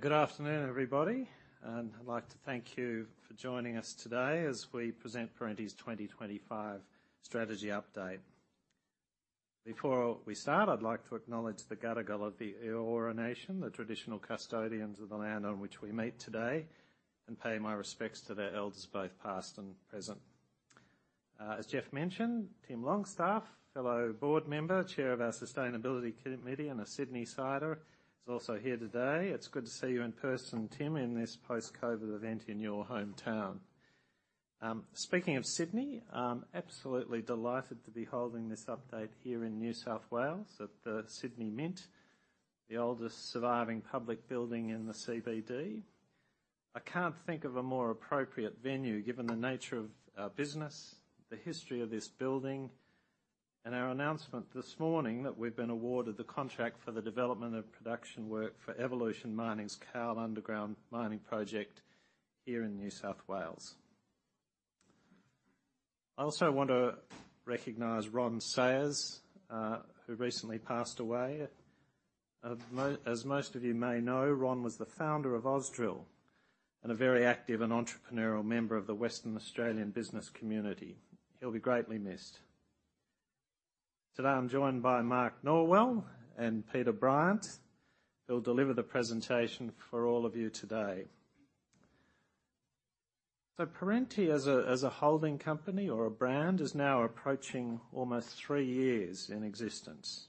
Good afternoon, everybody, and I'd like to thank you for joining us today as we present Perenti's 2025 strategy update. Before we start, I'd like to acknowledge the Gadigal of the Eora Nation, the traditional custodians of the land on which we meet today, and pay my respects to their elders, both past and present. As Geoff mentioned, Tim Longstaff, fellow board member, chair of our sustainability committee, and a Sydneysider, is also here today. It's good to see you in person, Tim, in this post-COVID event in your hometown. Speaking of Sydney, I'm absolutely delighted to be holding this update here in New South Wales at the Sydney Mint, the oldest surviving public building in the CBD. I can't think of a more appropriate venue, given the nature of our business, the history of this building, and our announcement this morning that we've been awarded the contract for the development of production work for Evolution Mining's Cowal Underground Mining Project here in New South Wales. I also want to recognize Ron Sayers, who recently passed away. As most of you may know, Ron was the founder of Ausdrill and a very active and entrepreneurial member of the Western Australian business community. He'll be greatly missed. Today, I'm joined by Mark Norwell and Peter Bryant, who'll deliver the presentation for all of you today. Perenti as a holding company or a brand is now approaching almost three years in existence.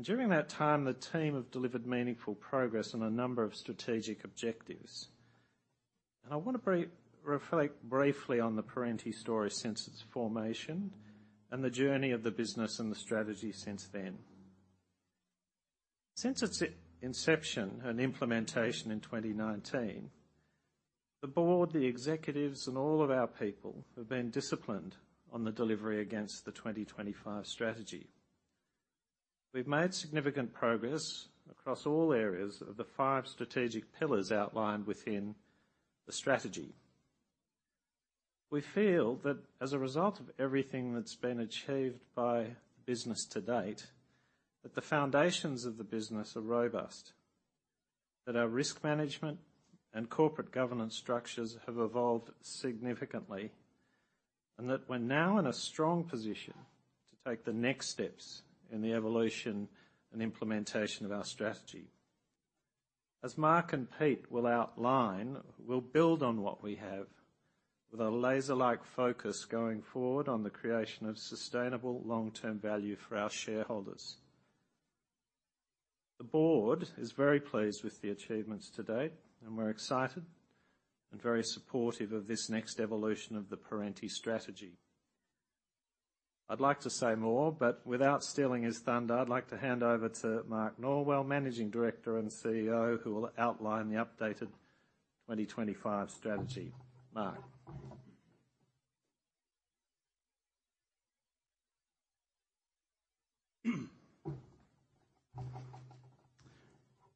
During that time, the team have delivered meaningful progress on a number of strategic objectives. I wanna reflect briefly on the Perenti story since its formation and the journey of the business and the strategy since then. Since its inception and implementation in 2019, the board, the executives and all of our people have been disciplined on the delivery against the 2025 strategy. We've made significant progress across all areas of the five strategic pillars outlined within the strategy. We feel that as a result of everything that's been achieved by the business to date, that the foundations of the business are robust, that our risk management and corporate governance structures have evolved significantly, and that we're now in a strong position to take the next steps in the evolution and implementation of our strategy. As Mark and Pete will outline, we'll build on what we have with a laser-like focus going forward on the creation of sustainable long-term value for our shareholders. The board is very pleased with the achievements to date, and we're excited and very supportive of this next evolution of the Perenti strategy. I'd like to say more, but without stealing his thunder, I'd like to hand over to Mark Norwell, Managing Director and CEO, who will outline the updated 2025 strategy. Mark.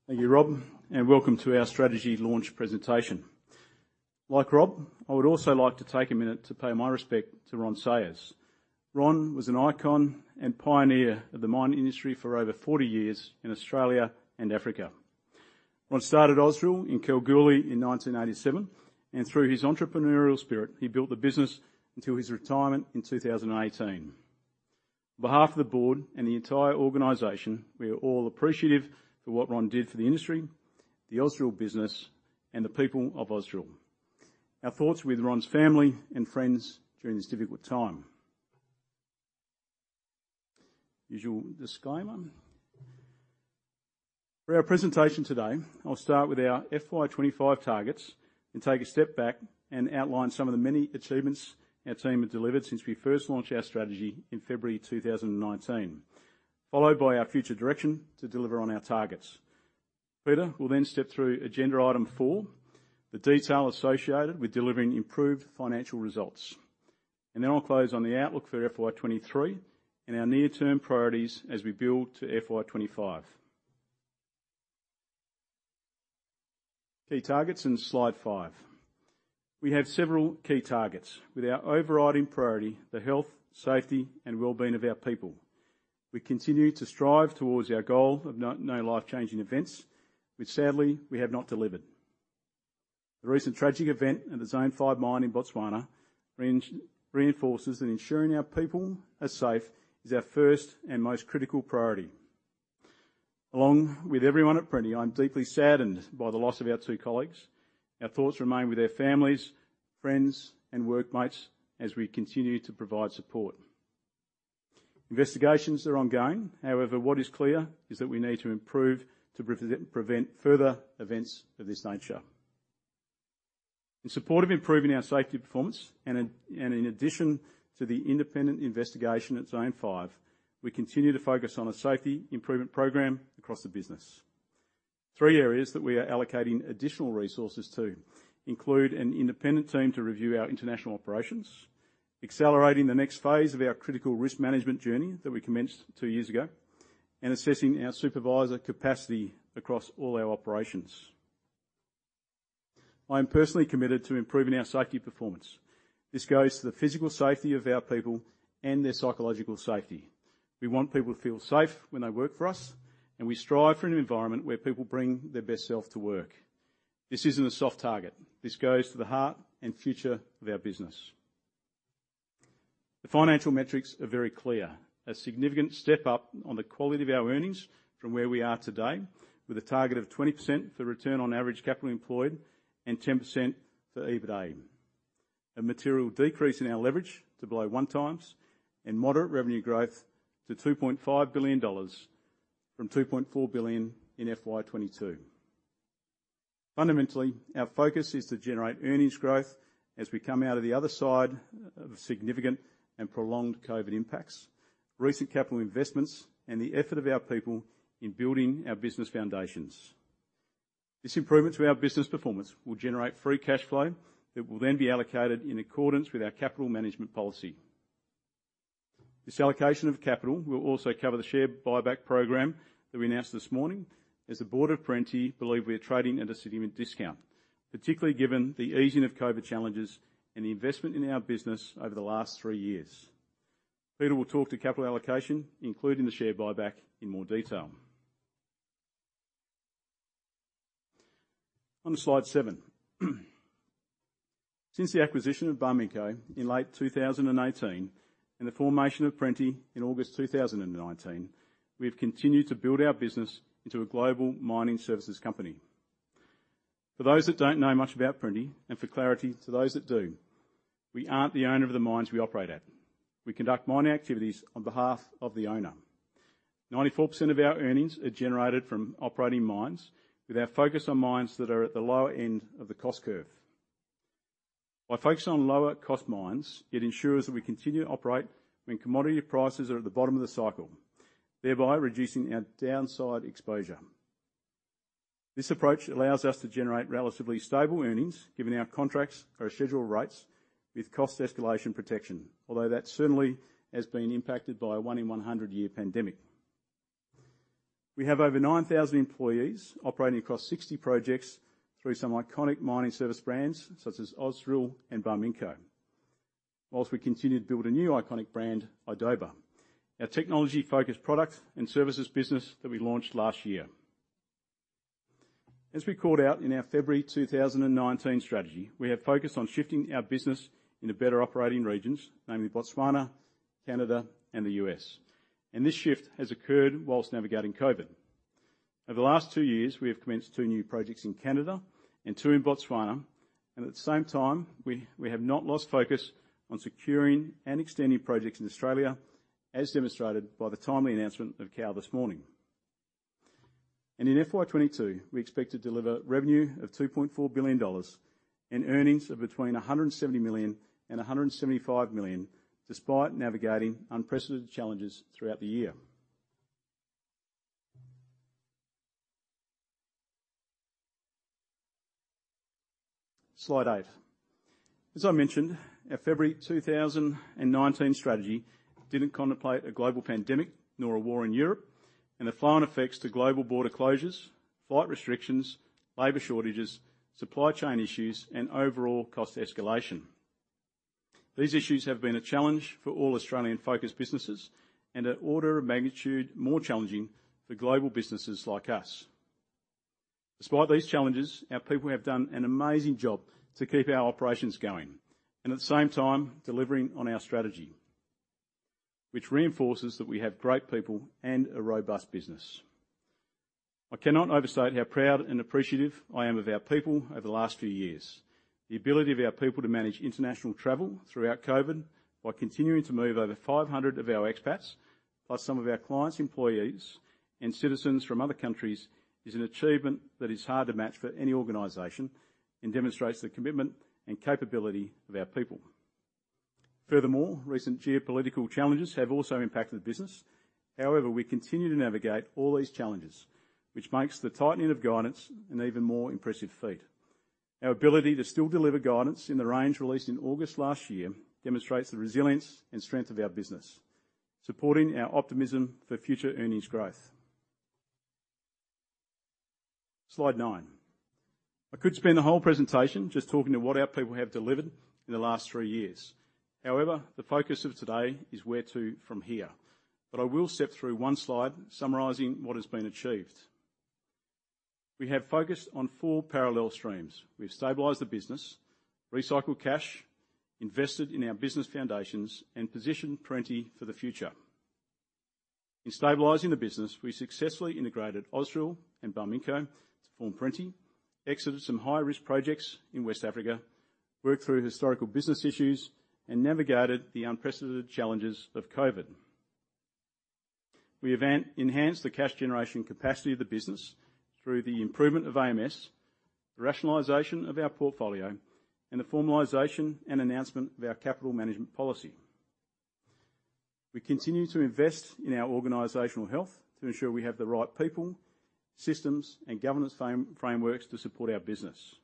Thank you, Rob, and welcome to our strategy launch presentation. Like Rob, I would also like to take a minute to pay my respect to Ron Sayers. Ron was an icon and pioneer of the mining industry for over 40 years in Australia and Africa. Ron started Ausdrill in Kalgoorlie in 1987, and through his entrepreneurial spirit, he built the business until his retirement in 2018. On behalf of the board and the entire organization, we are all appreciative for what Ron did for the industry, the Ausdrill business, and the people of Ausdrill. Our thoughts are with Ron's family and friends during this difficult time. Usual disclaimer. For our presentation today, I'll start with our FY 25 targets and take a step back and outline some of the many achievements our team have delivered since we first launched our strategy in February 2019, followed by our future direction to deliver on our targets. Peter will then step through agenda item four, the detail associated with delivering improved financial results. I'll close on the outlook for FY 23 and our near-term priorities as we build to FY 25. Key targets in slide 5. We have several key targets with our overriding priority the health, safety, and well-being of our people. We continue to strive towards our goal of no life-changing events, which sadly, we have not delivered. The recent tragic event at the Zone 5 mine in Botswana reinforces that ensuring our people are safe is our first and most critical priority. Along with everyone at Perenti, I'm deeply saddened by the loss of our two colleagues. Our thoughts remain with their families, friends, and workmates as we continue to provide support. Investigations are ongoing. However, what is clear is that we need to improve to prevent further events of this nature. In support of improving our safety performance, in addition to the independent investigation at Zone Five, we continue to focus on a safety improvement program across the business. Three areas that we are allocating additional resources to include an independent team to review our international operations, accelerating the next phase of our critical risk management journey that we commenced two years ago, and assessing our supervisor capacity across all our operations. I am personally committed to improving our safety performance. This goes to the physical safety of our people and their psychological safety. We want people to feel safe when they work for us, and we strive for an environment where people bring their best self to work. This isn't a soft target. This goes to the heart and future of our business. The financial metrics are very clear. A significant step up on the quality of our earnings from where we are today, with a target of 20% for return on average capital employed and 10% for EBITDA. A material decrease in our leverage to below 1x and moderate revenue growth to AUD 2.5 billion from AUD 2.4 billion in FY 2022. Fundamentally, our focus is to generate earnings growth as we come out of the other side of significant and prolonged COVID impacts, recent capital investments, and the effort of our people in building our business foundations. This improvement to our business performance will generate free cash flow that will then be allocated in accordance with our capital management policy. This allocation of capital will also cover the share buyback program that we announced this morning, as the board of Perenti believe we are trading at a significant discount, particularly given the easing of COVID challenges and the investment in our business over the last 3 years. Peter will talk to capital allocation, including the share buyback in more detail. On to slide 7. Since the acquisition of Barminco in late 2018 and the formation of Perenti in August 2019, we have continued to build our business into a global mining services company. For those that don't know much about Perenti, and for clarity to those that do, we aren't the owner of the mines we operate at. We conduct mining activities on behalf of the owner. 94% of our earnings are generated from operating mines with our focus on mines that are at the lower end of the cost curve. By focusing on lower cost mines, it ensures that we continue to operate when commodity prices are at the bottom of the cycle, thereby reducing our downside exposure. This approach allows us to generate relatively stable earnings, given our contracts are scheduled rates with cost escalation protection, although that certainly has been impacted by a one-in-100-year pandemic. We have over 9,000 employees operating across 60 projects through some iconic mining service brands such as Ausdrill and Barminco. While we continue to build a new iconic brand, Idoba, our technology-focused product and services business that we launched last year. As we called out in our February 2019 strategy, we have focused on shifting our business into better operating regions, namely Botswana, Canada, and the U.S. This shift has occurred while navigating COVID. Over the last 2 years, we have commenced 2 new projects in Canada and 2 in Botswana. At the same time, we have not lost focus on securing and extending projects in Australia, as demonstrated by the timely announcement of Cowal this morning. In FY 2022, we expect to deliver revenue of 2.4 billion dollars and earnings of between 170 million and 175 million, despite navigating unprecedented challenges throughout the year. Slide 8. As I mentioned, our February 2019 strategy didn't contemplate a global pandemic nor a war in Europe and the flow-on effects to global border closures, flight restrictions, labor shortages, supply chain issues, and overall cost escalation. These issues have been a challenge for all Australian-focused businesses and an order of magnitude more challenging for global businesses like us. Despite these challenges, our people have done an amazing job to keep our operations going and at the same time delivering on our strategy, which reinforces that we have great people and a robust business. I cannot overstate how proud and appreciative I am of our people over the last few years. The ability of our people to manage international travel throughout COVID while continuing to move over 500 of our expats, plus some of our clients' employees and citizens from other countries, is an achievement that is hard to match for any organization and demonstrates the commitment and capability of our people. Furthermore, recent geopolitical challenges have also impacted the business. However, we continue to navigate all these challenges, which makes the tightening of guidance an even more impressive feat. Our ability to still deliver guidance in the range released in August last year demonstrates the resilience and strength of our business, supporting our optimism for future earnings growth. Slide 9. I could spend the whole presentation just talking to what our people have delivered in the last three years. However, the focus of today is where to from here. I will step through one slide summarizing what has been achieved. We have focused on four parallel streams. We've stabilized the business, recycled cash, invested in our business foundations, and positioned Perenti for the future. In stabilizing the business, we successfully integrated Ausdrill and Barminco to form Perenti, exited some high-risk projects in West Africa, worked through historical business issues, and navigated the unprecedented challenges of COVID. We have enhanced the cash generation capacity of the business through the improvement of AMS, the rationalization of our portfolio, and the formalization and announcement of our capital management policy. We continue to invest in our organizational health to ensure we have the right people, systems, and governance frameworks to support our business.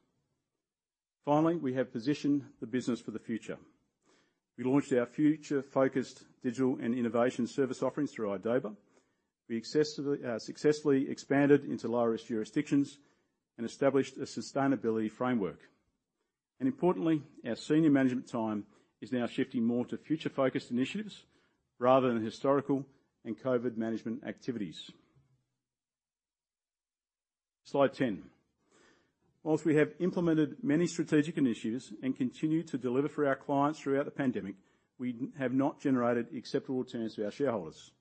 Finally, we have positioned the business for the future. We launched our future-focused digital and innovation service offerings through Idoba. We successfully expanded into low-risk jurisdictions and established a sustainability framework. Importantly, our senior management time is now shifting more to future-focused initiatives rather than historical and COVID management activities. Slide 10. While we have implemented many strategic initiatives and continue to deliver for our clients throughout the pandemic, we have not generated acceptable returns to our shareholders.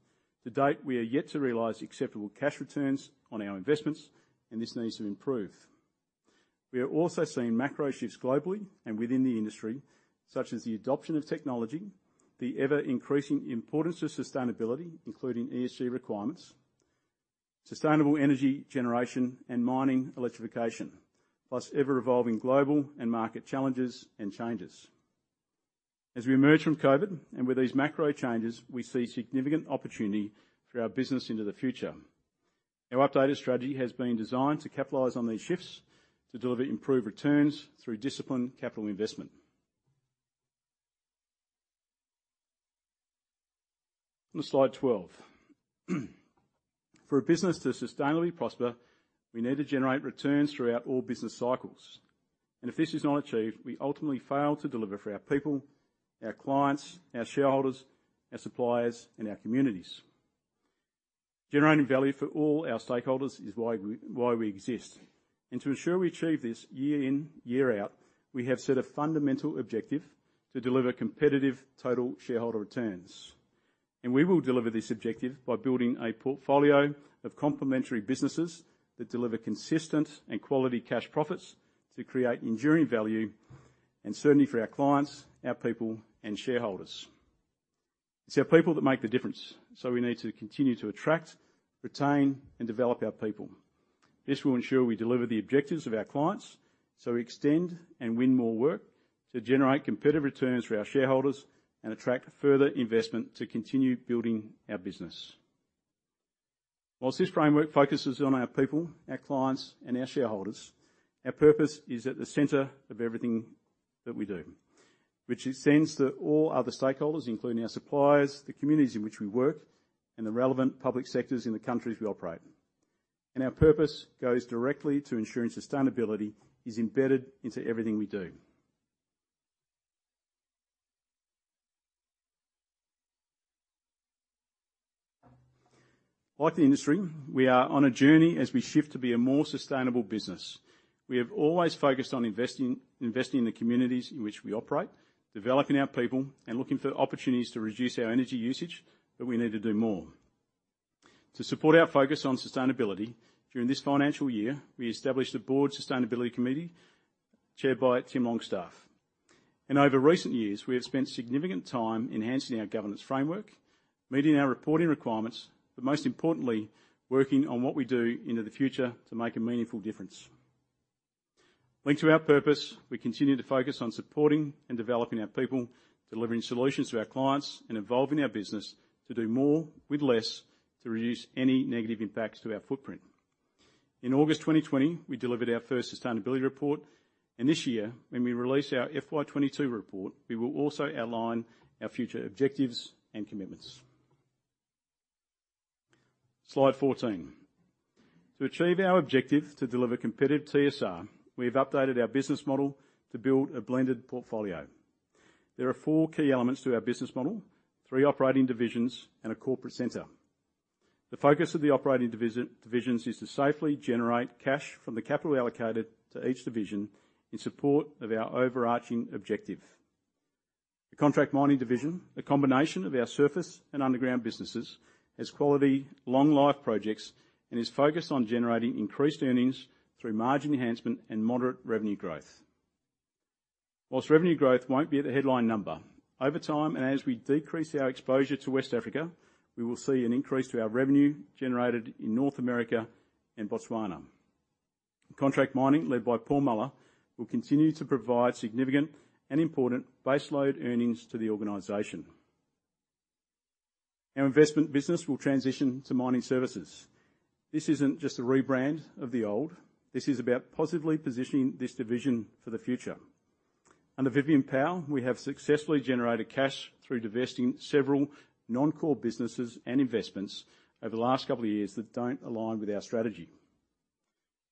To date, we are yet to realize acceptable cash returns on our investments, and this needs to improve. We are also seeing macro shifts globally and within the industry, such as the adoption of technology, the ever-increasing importance to sustainability, including ESG requirements, sustainable energy generation and mining electrification, plus ever-evolving global and market challenges and changes. As we emerge from COVID and with these macro changes, we see significant opportunity for our business into the future. Our updated strategy has been designed to capitalize on these shifts to deliver improved returns through disciplined capital investment. On to slide 12. For a business to sustainably prosper, we need to generate returns throughout all business cycles, and if this is not achieved, we ultimately fail to deliver for our people, our clients, our shareholders, our suppliers, and our communities. Generating value for all our stakeholders is why we exist. To ensure we achieve this year in, year out, we have set a fundamental objective to deliver competitive total shareholder returns. We will deliver this objective by building a portfolio of complementary businesses that deliver consistent and quality cash profits to create enduring value and certainty for our clients, our people, and shareholders. It's our people that make the difference, so we need to continue to attract, retain, and develop our people. This will ensure we deliver the objectives of our clients, so we extend and win more work to generate competitive returns for our shareholders and attract further investment to continue building our business. While this framework focuses on our people, our clients, and our shareholders, our purpose is at the center of everything that we do, which extends to all other stakeholders, including our suppliers, the communities in which we work, and the relevant public sectors in the countries we operate. Our purpose goes directly to ensuring sustainability is embedded into everything we do. Like the industry, we are on a journey as we shift to be a more sustainable business. We have always focused on investing in the communities in which we operate, developing our people, and looking for opportunities to reduce our energy usage, but we need to do more. To support our focus on sustainability, during this financial year, we established a board sustainability committee chaired by Tim Longstaff. Over recent years, we have spent significant time enhancing our governance framework, meeting our reporting requirements, but most importantly, working on what we do into the future to make a meaningful difference. Linked to our purpose, we continue to focus on supporting and developing our people, delivering solutions to our clients, and evolving our business to do more with less to reduce any negative impacts to our footprint. In August 2020, we delivered our first sustainability report, and this year, when we release our FY22 report, we will also outline our future objectives and commitments. Slide 14. To achieve our objective to deliver competitive TSR, we have updated our business model to build a blended portfolio. There are four key elements to our business model, three operating divisions and a corporate center. The focus of the operating divisions is to safely generate cash from the capital allocated to each division in support of our overarching objective. The contract mining division, a combination of our surface and underground businesses, has quality long life projects and is focused on generating increased earnings through margin enhancement and moderate revenue growth. While revenue growth won't be the headline number, over time and as we decrease our exposure to West Africa, we will see an increase to our revenue generated in North America and Botswana. Contract mining, led by Paul Muller, will continue to provide significant and important baseload earnings to the organization. Our investment business will transition to mining services. This isn't just a rebrand of the old. This is about positively positioning this division for the future. Under Ben Davis, we have successfully generated cash through divesting several non-core businesses and investments over the last couple of years that don't align with our strategy.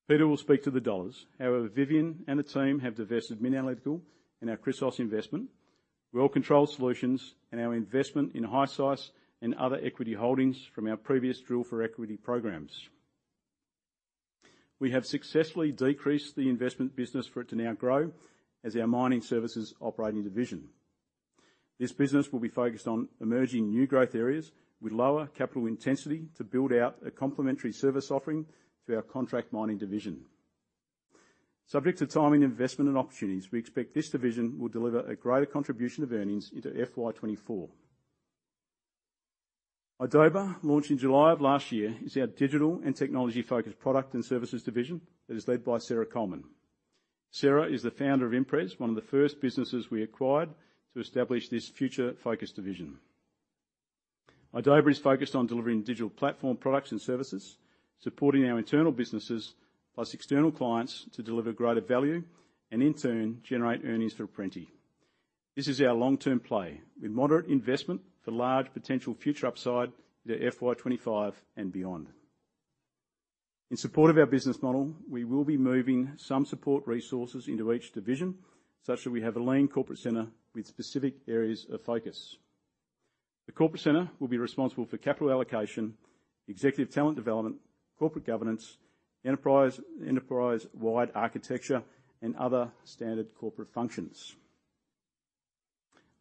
Peter will speak to the dollars. However, Ben and the team have divested MinAnalytical and our Chrysos investment, Well Control Solutions, and our investment in HiSeis and other equity holdings from our previous drill for equity programs. We have successfully decreased the investment business for it to now grow as our mining services operating division. This business will be focused on emerging new growth areas with lower capital intensity to build out a complementary service offering to our contract mining division. Subject to timing, investment, and opportunities, we expect this division will deliver a greater contribution of earnings into FY 2024. Idoba, launched in July of last year, is our digital and technology-focused product and services division that is led by Sarah Coleman. Sarah is the founder of Impres, one of the first businesses we acquired to establish this future-focused division. Idoba is focused on delivering digital platform products and services, supporting our internal businesses, plus external clients to deliver greater value and in turn, generate earnings for Perenti. This is our long-term play with moderate investment for large potential future upside to FY 25 and beyond. In support of our business model, we will be moving some support resources into each division, such that we have a lean corporate center with specific areas of focus. The corporate center will be responsible for capital allocation, executive talent development, corporate governance, enterprise-wide architecture, and other standard corporate functions.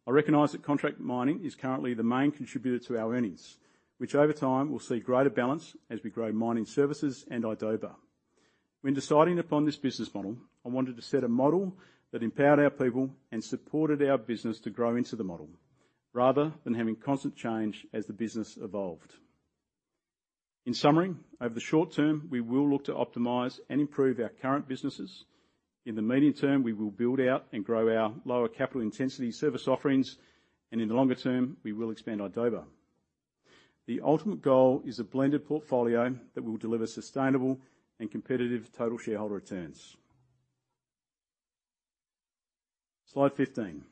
I recognize that contract mining is currently the main contributor to our earnings. Which over time, will see greater balance as we grow mining services and Idoba. When deciding upon this business model, I wanted to set a model that empowered our people and supported our business to grow into the model, rather than having constant change as the business evolved. In summary, over the short term, we will look to optimize and improve our current businesses. In the medium term, we will build out and grow our lower capital intensity service offerings, and in the longer term, we will expand Idoba. The ultimate goal is a blended portfolio that will deliver sustainable and competitive total shareholder returns. Slide 15.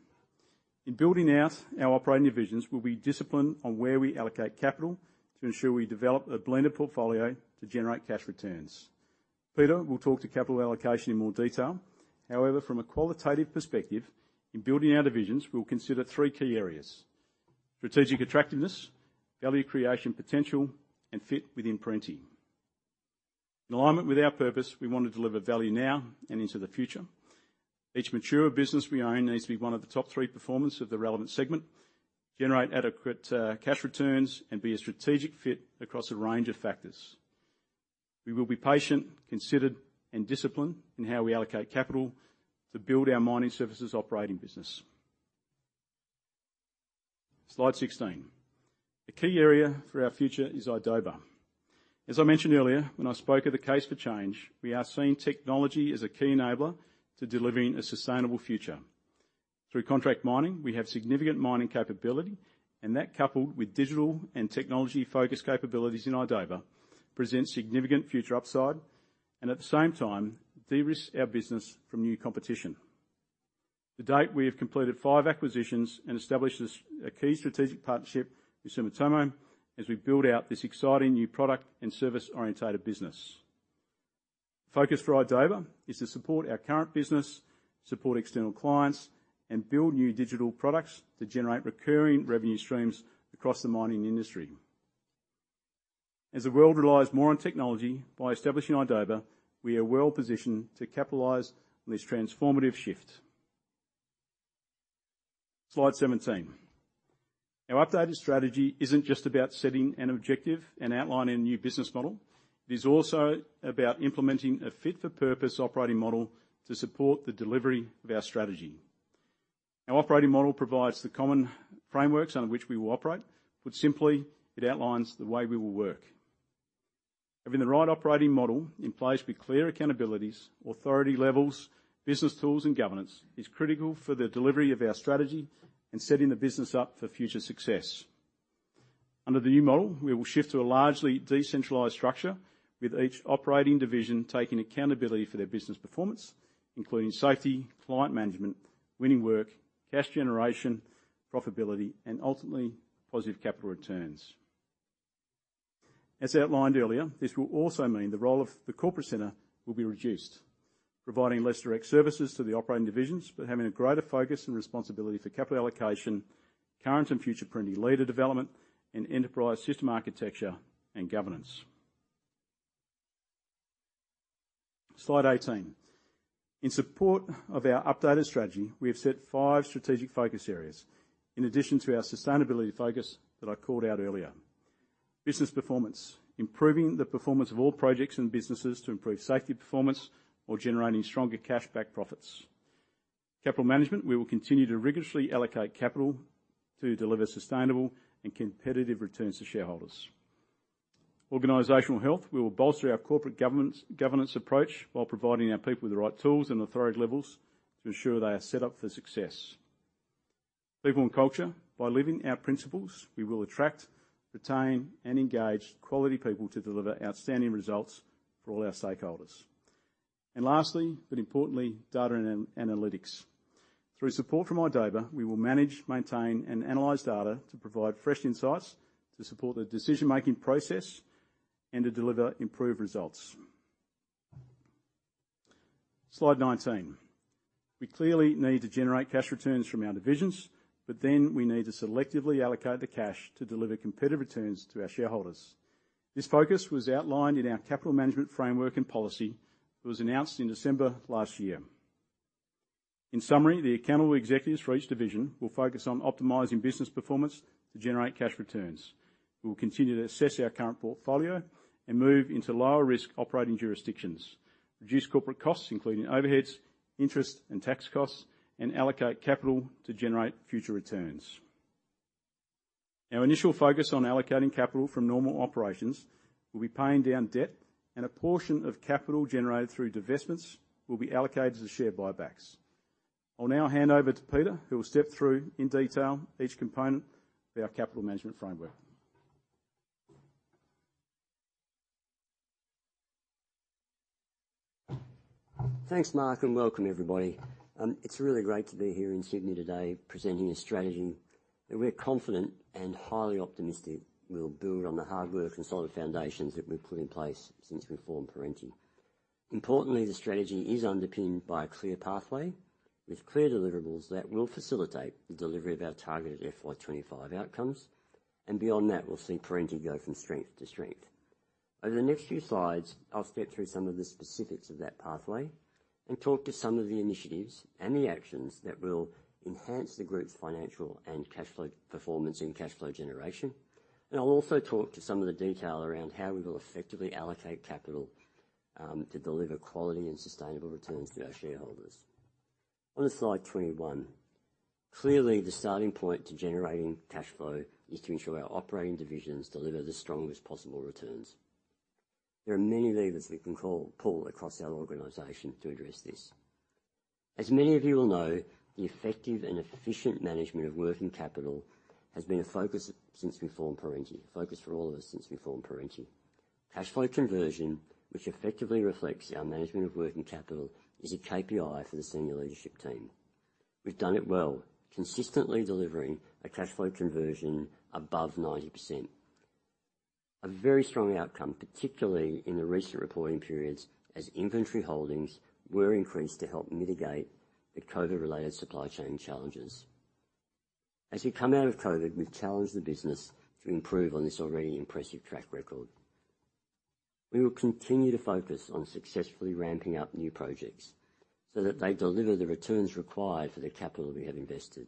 In building out our operating divisions, we'll be disciplined on where we allocate capital to ensure we develop a blended portfolio to generate cash returns. Peter will talk to capital allocation in more detail. However, from a qualitative perspective, in building our divisions, we'll consider three key areas, strategic attractiveness, value creation potential, and fit within Perenti. In alignment with our purpose, we want to deliver value now and into the future. Each mature business we own needs to be one of the top three performers of the relevant segment, generate adequate cash returns, and be a strategic fit across a range of factors. We will be patient, considered, and disciplined in how we allocate capital to build our mining services operating business. Slide 16. A key area for our future is Idoba. As I mentioned earlier when I spoke of the case for change, we are seeing technology as a key enabler to delivering a sustainable future. Through contract mining, we have significant mining capability, and that coupled with digital and technology-focused capabilities in Idoba, presents significant future upside, and at the same time, de-risks our business from new competition. To date, we have completed 5 acquisitions and established a key strategic partnership with Sumitomo as we build out this exciting new product and service-oriented business. Focus for Idoba is to support our current business, support external clients, and build new digital products that generate recurring revenue streams across the mining industry. As the world relies more on technology, by establishing Idoba, we are well-positioned to capitalize on this transformative shift. Slide 17. Our updated strategy isn't just about setting an objective and outlining a new business model, it is also about implementing a fit-for-purpose operating model to support the delivery of our strategy. Our operating model provides the common frameworks under which we will operate. Put simply, it outlines the way we will work. Having the right operating model in place with clear accountabilities, authority levels, business tools, and governance is critical for the delivery of our strategy and setting the business up for future success. Under the new model, we will shift to a largely decentralized structure with each operating division taking accountability for their business performance, including safety, client management, winning work, cash generation, profitability, and ultimately, positive capital returns. As outlined earlier, this will also mean the role of the corporate center will be reduced, providing less direct services to the operating divisions, but having a greater focus and responsibility for capital allocation, current and future Perenti leader development, and enterprise system architecture and governance. Slide 18. In support of our updated strategy, we have set five strategic focus areas in addition to our sustainability focus that I called out earlier. Business performance. Improving the performance of all projects and businesses to improve safety performance while generating stronger cash back profits. Capital management. We will continue to rigorously allocate capital to deliver sustainable and competitive returns to shareholders. Organizational health. We will bolster our corporate governance approach while providing our people with the right tools and authority levels to ensure they are set up for success. People and culture. By living our principles, we will attract, retain, and engage quality people to deliver outstanding results for all our stakeholders. Lastly, but importantly, data analytics. Through support from Idoba, we will manage, maintain, and analyze data to provide fresh insights to support the decision-making process and to deliver improved results. Slide 19. We clearly need to generate cash returns from our divisions, but then we need to selectively allocate the cash to deliver competitive returns to our shareholders. This focus was outlined in our capital management framework and policy. It was announced in December last year. In summary, the accountable executives for each division will focus on optimizing business performance to generate cash returns. We will continue to assess our current portfolio and move into lower-risk operating jurisdictions, reduce corporate costs, including overheads, interest, and tax costs, and allocate capital to generate future returns. Our initial focus on allocating capital from normal operations will be paying down debt, and a portion of capital generated through divestments will be allocated as share buybacks. I'll now hand over to Peter, who will step through in detail each component of our capital management framework. Thanks, Mark, and welcome everybody. It's really great to be here in Sydney today presenting a strategy that we're confident and highly optimistic we'll build on the hard work and solid foundations that we've put in place since we formed Perenti. Importantly, the strategy is underpinned by a clear pathway with clear deliverables that will facilitate the delivery of our targeted FY 25 outcomes. Beyond that, we'll see Perenti go from strength to strength. Over the next few slides, I'll step through some of the specifics of that pathway and talk to some of the initiatives and the actions that will enhance the group's financial and cash flow performance, and cash flow generation. I'll also talk to some of the detail around how we will effectively allocate capital, to deliver quality and sustainable returns to our shareholders. On to slide 21. Clearly, the starting point to generating cash flow is to ensure our operating divisions deliver the strongest possible returns. There are many levers we can call, pull across our organization to address this. As many of you will know, the effective and efficient management of working capital has been a focus for all of us since we formed Perenti. Cash flow conversion, which effectively reflects our management of working capital, is a KPI for the senior leadership team. We've done it well, consistently delivering a cash flow conversion above 90%. A very strong outcome, particularly in the recent reporting periods as inventory holdings were increased to help mitigate the COVID-related supply chain challenges. As we come out of COVID, we've challenged the business to improve on this already impressive track record. We will continue to focus on successfully ramping up new projects so that they deliver the returns required for the capital we have invested.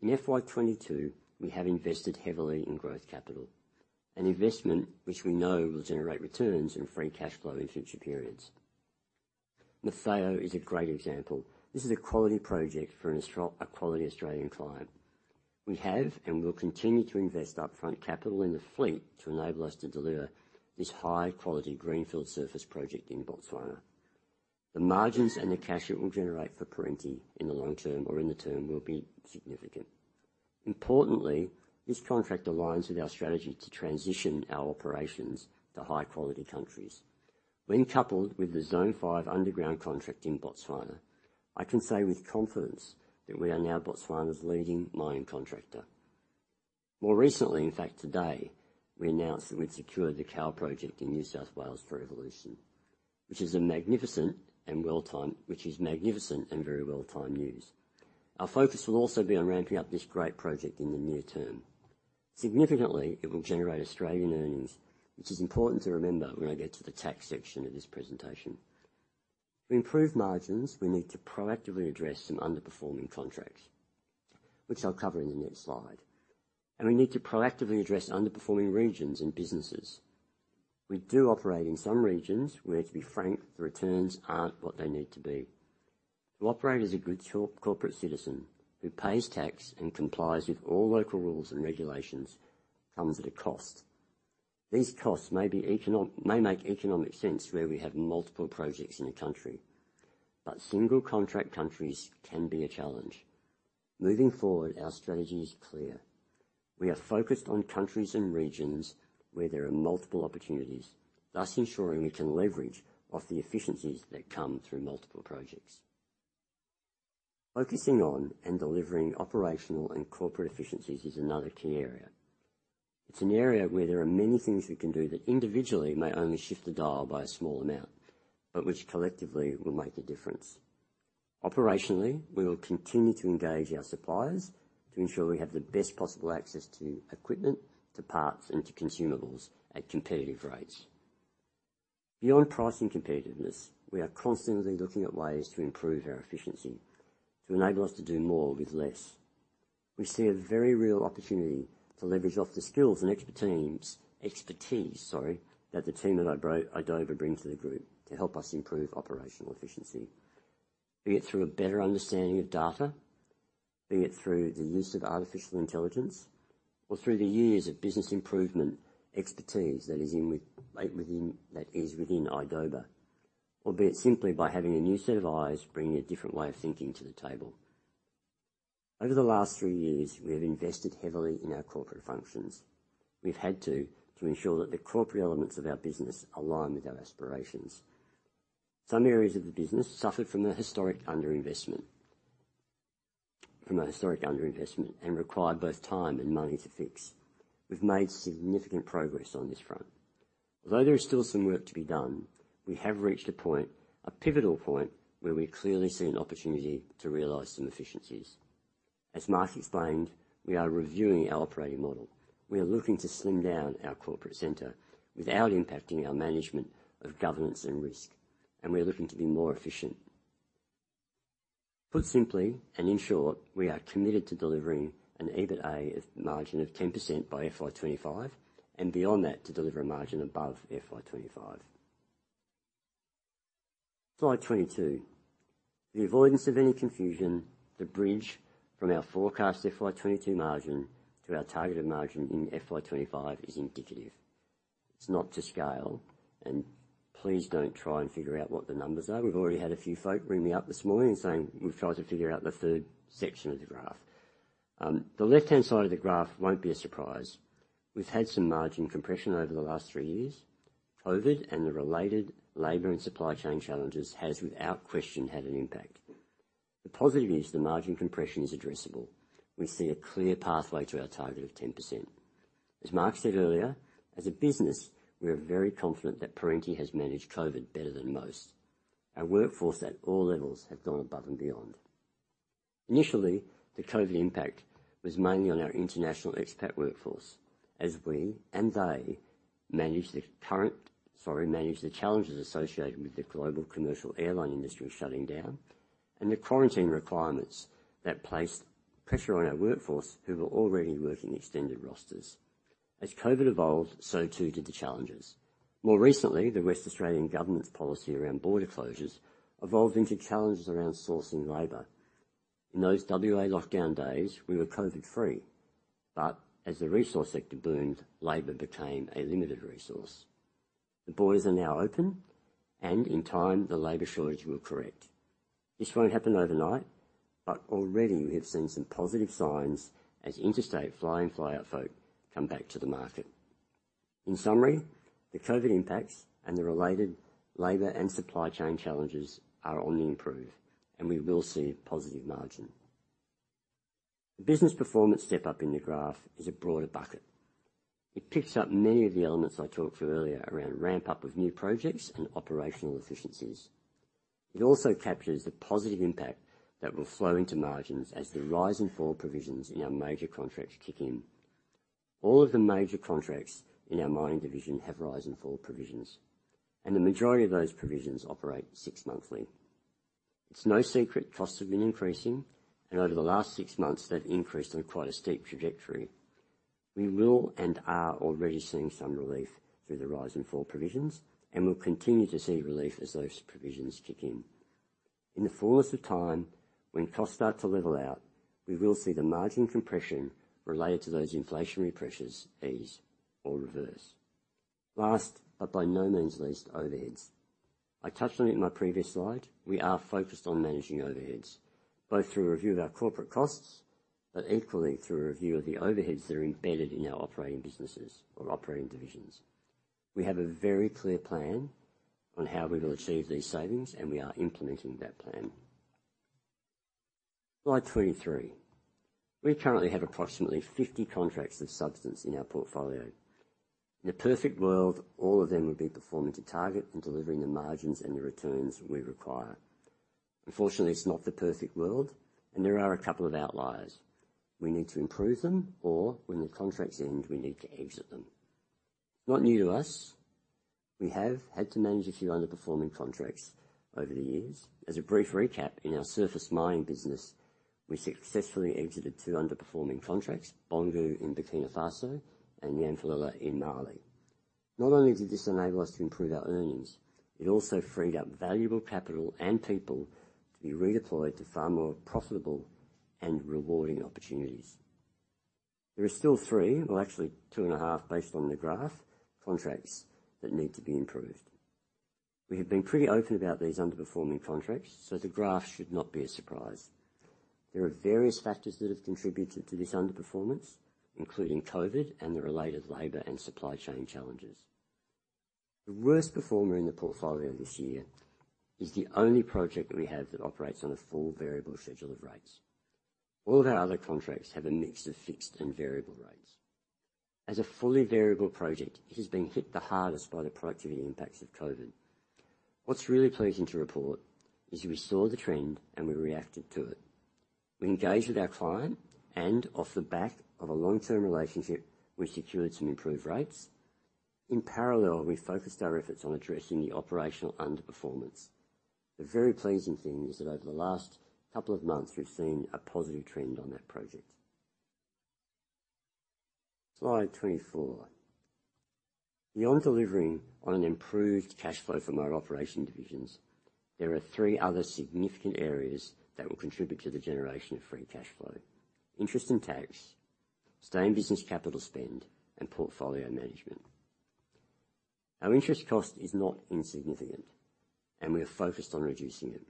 In FY 2022, we have invested heavily in growth capital, an investment which we know will generate returns and free cash flow in future periods. Motheo is a great example. This is a quality project for a quality Australian client. We have and will continue to invest upfront capital in the fleet to enable us to deliver this high-quality greenfield surface project in Botswana. The margins and the cash it will generate for Perenti in the long term or in the term will be significant. Importantly, this contract aligns with our strategy to transition our operations to high-quality countries. When coupled with the Zone Five underground contract in Botswana, I can say with confidence that we are now Botswana's leading mining contractor. More recently, in fact today, we announced that we've secured the Cowal Project in New South Wales for Evolution, which is magnificent and very well-timed news. Our focus will also be on ramping up this great project in the near term. Significantly, it will generate Australian earnings, which is important to remember when I get to the tax section of this presentation. To improve margins, we need to proactively address some underperforming contracts, which I'll cover in the next slide. We need to proactively address underperforming regions and businesses. We do operate in some regions where, to be frank, the returns aren't what they need to be. To operate as a good corporate citizen who pays tax and complies with all local rules and regulations comes at a cost. These costs may make economic sense where we have multiple projects in a country, but single contract countries can be a challenge. Moving forward, our strategy is clear. We are focused on countries and regions where there are multiple opportunities, thus ensuring we can leverage off the efficiencies that come through multiple projects. Focusing on and delivering operational and corporate efficiencies is another key area. It's an area where there are many things we can do that individually may only shift the dial by a small amount, but which collectively will make a difference. Operationally, we will continue to engage our suppliers to ensure we have the best possible access to equipment, to parts, and to consumables at competitive rates. Beyond pricing competitiveness, we are constantly looking at ways to improve our efficiency to enable us to do more with less. We see a very real opportunity to leverage off the skills and expertise, sorry, that the team at Idoba bring to the group to help us improve operational efficiency. Be it through a better understanding of data, be it through the use of artificial intelligence or through the years of business improvement expertise that is within Idoba, or be it simply by having a new set of eyes bringing a different way of thinking to the table. Over the last three years, we have invested heavily in our corporate functions. We've had to ensure that the corporate elements of our business align with our aspirations. Some areas of the business suffered from a historic underinvestment and required both time and money to fix. We've made significant progress on this front. Although there is still some work to be done, we have reached a point, a pivotal point, where we clearly see an opportunity to realize some efficiencies. As Mark explained, we are reviewing our operating model. We are looking to slim down our corporate center without impacting our management of governance and risk, and we are looking to be more efficient. Put simply and in short, we are committed to delivering an EBITA margin of 10% by FY 2025, and beyond that to deliver a margin above FY 2025. Slide 22. For the avoidance of any confusion, the bridge from our forecast FY 2022 margin to our targeted margin in FY 2025 is indicative. It's not to scale, and please don't try and figure out what the numbers are. We've already had a few folk ring me up this morning saying, "We've tried to figure out the third section of the graph." The left-hand side of the graph won't be a surprise. We've had some margin compression over the last three years. COVID and the related labor and supply chain challenges has, without question, had an impact. The positive is the margin compression is addressable. We see a clear pathway to our target of 10%. As Mark said earlier, as a business, we are very confident that Perenti has managed COVID better than most. Our workforce at all levels have gone above and beyond. Initially, the COVID impact was mainly on our international expat workforce as we and they managed the challenges associated with the global commercial airline industry shutting down and the quarantine requirements that placed pressure on our workforce who were already working extended rosters. As COVID evolved, so too did the challenges. More recently, the West Australian government's policy around border closures evolved into challenges around sourcing labor. In those WA lockdown days, we were COVID-free, but as the resource sector boomed, labor became a limited resource. The borders are now open, and in time, the labor shortage will correct. This won't happen overnight, but already we have seen some positive signs as interstate fly-in, fly-out folk come back to the market. In summary, the COVID impacts and the related labor and supply chain challenges are on the improve, and we will see positive margin. The business performance step-up in the graph is a broader bucket. It picks up many of the elements I talked to earlier around ramp-up of new projects and operational efficiencies. It also captures the positive impact that will flow into margins as the rise and fall provisions in our major contracts kick in. All of the major contracts in our mining division have rise and fall provisions, and the majority of those provisions operate six monthly. It's no secret costs have been increasing, and over the last six months, they've increased on quite a steep trajectory. We will and are already seeing some relief through the rise and fall provisions, and we'll continue to see relief as those provisions kick in. In the fullness of time, when costs start to level out, we will see the margin compression related to those inflationary pressures ease or reverse. Last, but by no means least, overheads. I touched on it in my previous slide. We are focused on managing overheads, both through a review of our corporate costs, but equally through a review of the overheads that are embedded in our operating businesses or operating divisions. We have a very clear plan on how we will achieve these savings, and we are implementing that plan. Slide 23. We currently have approximately 50 contracts of substance in our portfolio. In a perfect world, all of them would be performing to target and delivering the margins and the returns we require. Unfortunately, it's not the perfect world, and there are a couple of outliers. We need to improve them, or when the contracts end, we need to exit them. It's not new to us. We have had to manage a few underperforming contracts over the years. As a brief recap, in our surface mining business, we successfully exited two underperforming contracts, Boungou in Burkina Faso and Yanfolila in Mali. Not only did this enable us to improve our earnings, it also freed up valuable capital and people to be redeployed to far more profitable and rewarding opportunities. There are still three, well, actually two and a half based on the graph, contracts that need to be improved. We have been pretty open about these underperforming contracts, so the graph should not be a surprise. There are various factors that have contributed to this underperformance, including COVID and the related labor and supply chain challenges. The worst performer in the portfolio this year is the only project that we have that operates on a full variable schedule of rates. All of our other contracts have a mix of fixed and variable rates. As a fully variable project, it has been hit the hardest by the productivity impacts of COVID. What's really pleasing to report is we saw the trend, and we reacted to it. We engaged with our client, and off the back of a long-term relationship, we secured some improved rates. In parallel, we focused our efforts on addressing the operational underperformance. The very pleasing thing is that over the last couple of months, we've seen a positive trend on that project. Slide 24. Beyond delivering on an improved cash flow from our operating divisions, there are three other significant areas that will contribute to the generation of free cash flow, interest and tax, steady business capital spend, and portfolio management. Our interest cost is not insignificant, and we are focused on reducing it.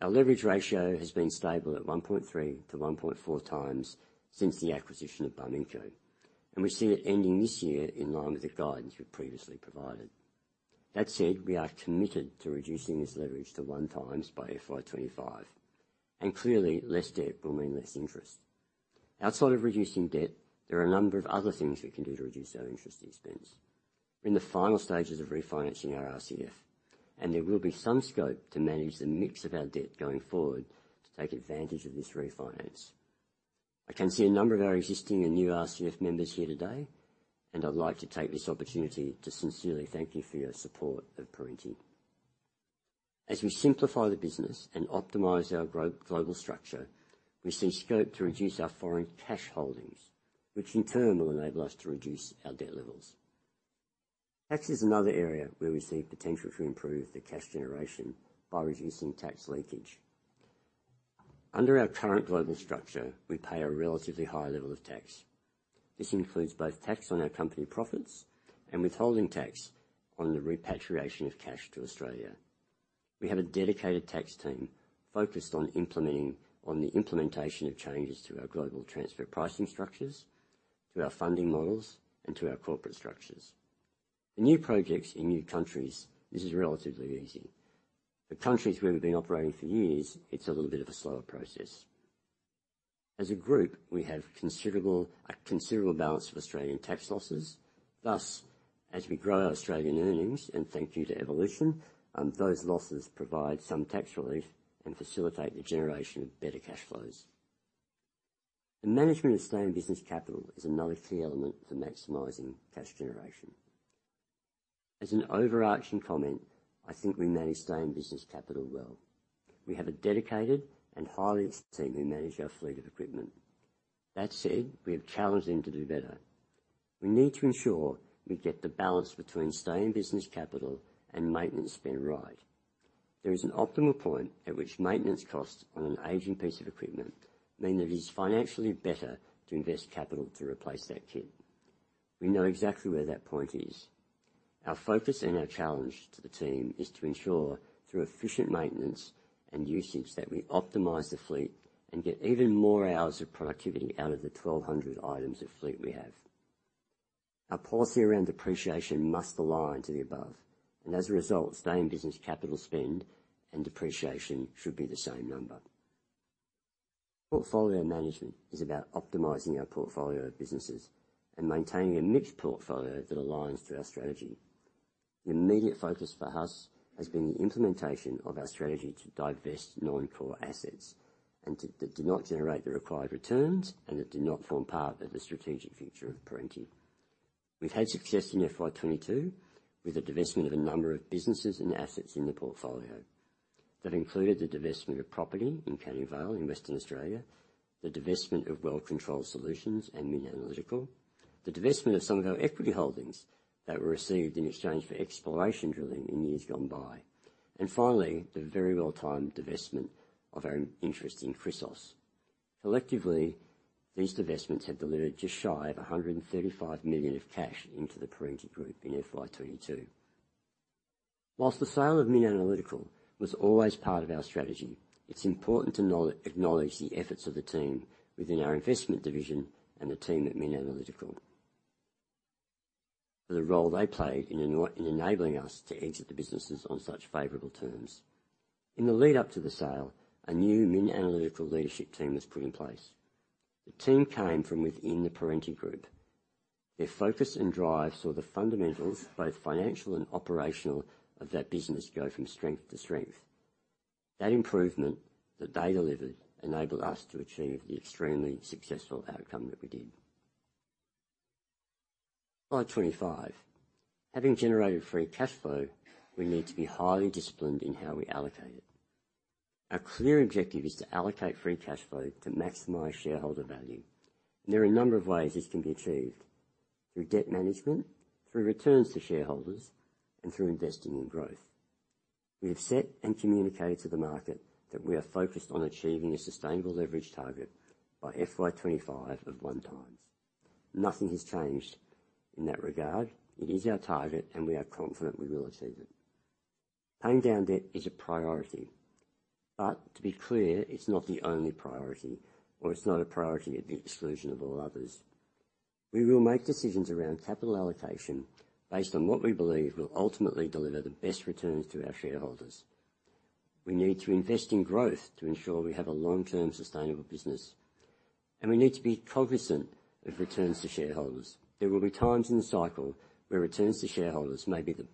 Our leverage ratio has been stable at 1.3-1.4x since the acquisition of Barminco, and we see it ending this year in line with the guidance we previously provided. That said, we are committed to reducing this leverage to 1x by FY 2025, and clearly, less debt will mean less interest. Outside of reducing debt, there are a number of other things we can do to reduce our interest expense. We're in the final stages of refinancing our RCF, and there will be some scope to manage the mix of our debt going forward to take advantage of this refinance. I can see a number of our existing and new RCF members here today, and I'd like to take this opportunity to sincerely thank you for your support of Perenti. As we simplify the business and optimize our global structure, we see scope to reduce our foreign cash holdings, which in turn will enable us to reduce our debt levels. Tax is another area where we see potential to improve the cash generation by reducing tax leakage. Under our current global structure, we pay a relatively high level of tax. This includes both tax on our company profits and withholding tax on the repatriation of cash to Australia. We have a dedicated tax team focused on the implementation of changes to our global transfer pricing structures, to our funding models, and to our corporate structures. The new projects in new countries, this is relatively easy. The countries where we've been operating for years, it's a little bit of a slower process. As a group, we have considerable balance of Australian tax losses. Thus, as we grow our Australian earnings, and thank you to Evolution, those losses provide some tax relief and facilitate the generation of better cash flows. The management of stay-in-business capital is another key element for maximizing cash generation. As an overarching comment, I think we manage stay-in-business capital well. We have a dedicated and highly skilled team who manage our fleet of equipment. That said, we have challenged them to do better. We need to ensure we get the balance between stay-in-business capital and maintenance spend right. There is an optimal point at which maintenance costs on an aging piece of equipment mean that it is financially better to invest capital to replace that kit. We know exactly where that point is. Our focus and our challenge to the team is to ensure, through efficient maintenance and usage, that we optimize the fleet and get even more hours of productivity out of the 1,200 items of fleet we have. Our policy around depreciation must align to the above, and as a result, stay-in-business capital spend and depreciation should be the same number. Portfolio management is about optimizing our portfolio of businesses and maintaining a mixed portfolio that aligns to our strategy. The immediate focus for us has been the implementation of our strategy to divest non-core assets that do not generate the required returns and that do not form part of the strategic future of Perenti. We've had success in FY 2022 with the divestment of a number of businesses and assets in the portfolio. That included the divestment of property in Canning Vale in Western Australia, the divestment of Well Control Solutions and MinAnalytical, the divestment of some of our equity holdings that were received in exchange for exploration drilling in years gone by. Finally, the very well-timed divestment of our interest in Chrysos. Collectively, these divestments have delivered just shy of 135 million of cash into the Perenti Group in FY 2022. While the sale of MinAnalytical was always part of our strategy, it's important to acknowledge the efforts of the team within our investment division and the team at MinAnalytical for the role they played in enabling us to exit the businesses on such favorable terms. In the lead-up to the sale, a new MinAnalytical leadership team was put in place. The team came from within the Perenti Group. Their focus and drive saw the fundamentals, both financial and operational, of that business go from strength to strength. That improvement that they delivered enabled us to achieve the extremely successful outcome that we did. Slide 25. Having generated free cash flow, we need to be highly disciplined in how we allocate it. Our clear objective is to allocate free cash flow to maximize shareholder value. There are a number of ways this can be achieved through debt management, through returns to shareholders, and through investing in growth. We have set and communicated to the market that we are focused on achieving a sustainable leverage target by FY 2025 of 1x. Nothing has changed in that regard. It is our target, and we are confident we will achieve it. Paying down debt is a priority, but to be clear, it's not the only priority, or it's not a priority at the exclusion of all others. We will make decisions around capital allocation based on what we believe will ultimately deliver the best returns to our shareholders. We need to invest in growth to ensure we have a long-term sustainable business, and we need to be cognizant of returns to shareholders. There will be times in the cycle where returns to shareholders may be the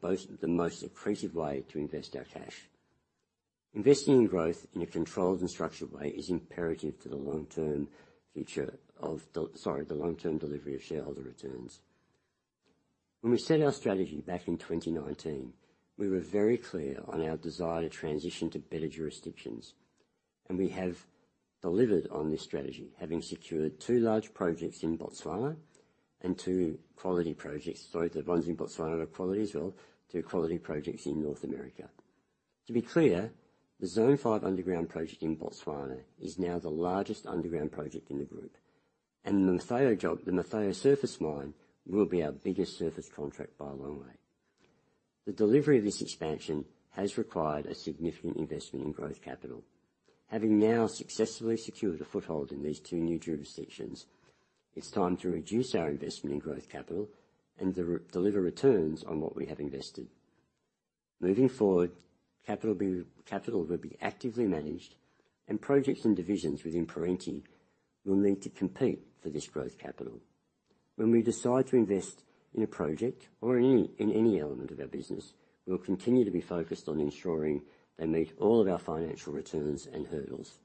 most accretive way to invest our cash. Investing in growth in a controlled and structured way is imperative to the long-term delivery of shareholder returns. When we set our strategy back in 2019, we were very clear on our desire to transition to better jurisdictions, and we have delivered on this strategy, having secured two large projects in Botswana and two quality projects. Sorry, the ones in Botswana are quality as well, two quality projects in North America. To be clear, the Zone 5 underground project in Botswana is now the largest underground project in the group, and the Motheo job, the Motheo surface mine will be our biggest surface contract by a long way. The delivery of this expansion has required a significant investment in growth capital. Having now successfully secured a foothold in these two new jurisdictions, it's time to reduce our investment in growth capital and deliver returns on what we have invested. Moving forward, capital allocation will be actively managed, and projects and divisions within Perenti will need to compete for this growth capital. When we decide to invest in a project or in any element of our business, we will continue to be focused on ensuring they meet all of our financial returns and hurdles,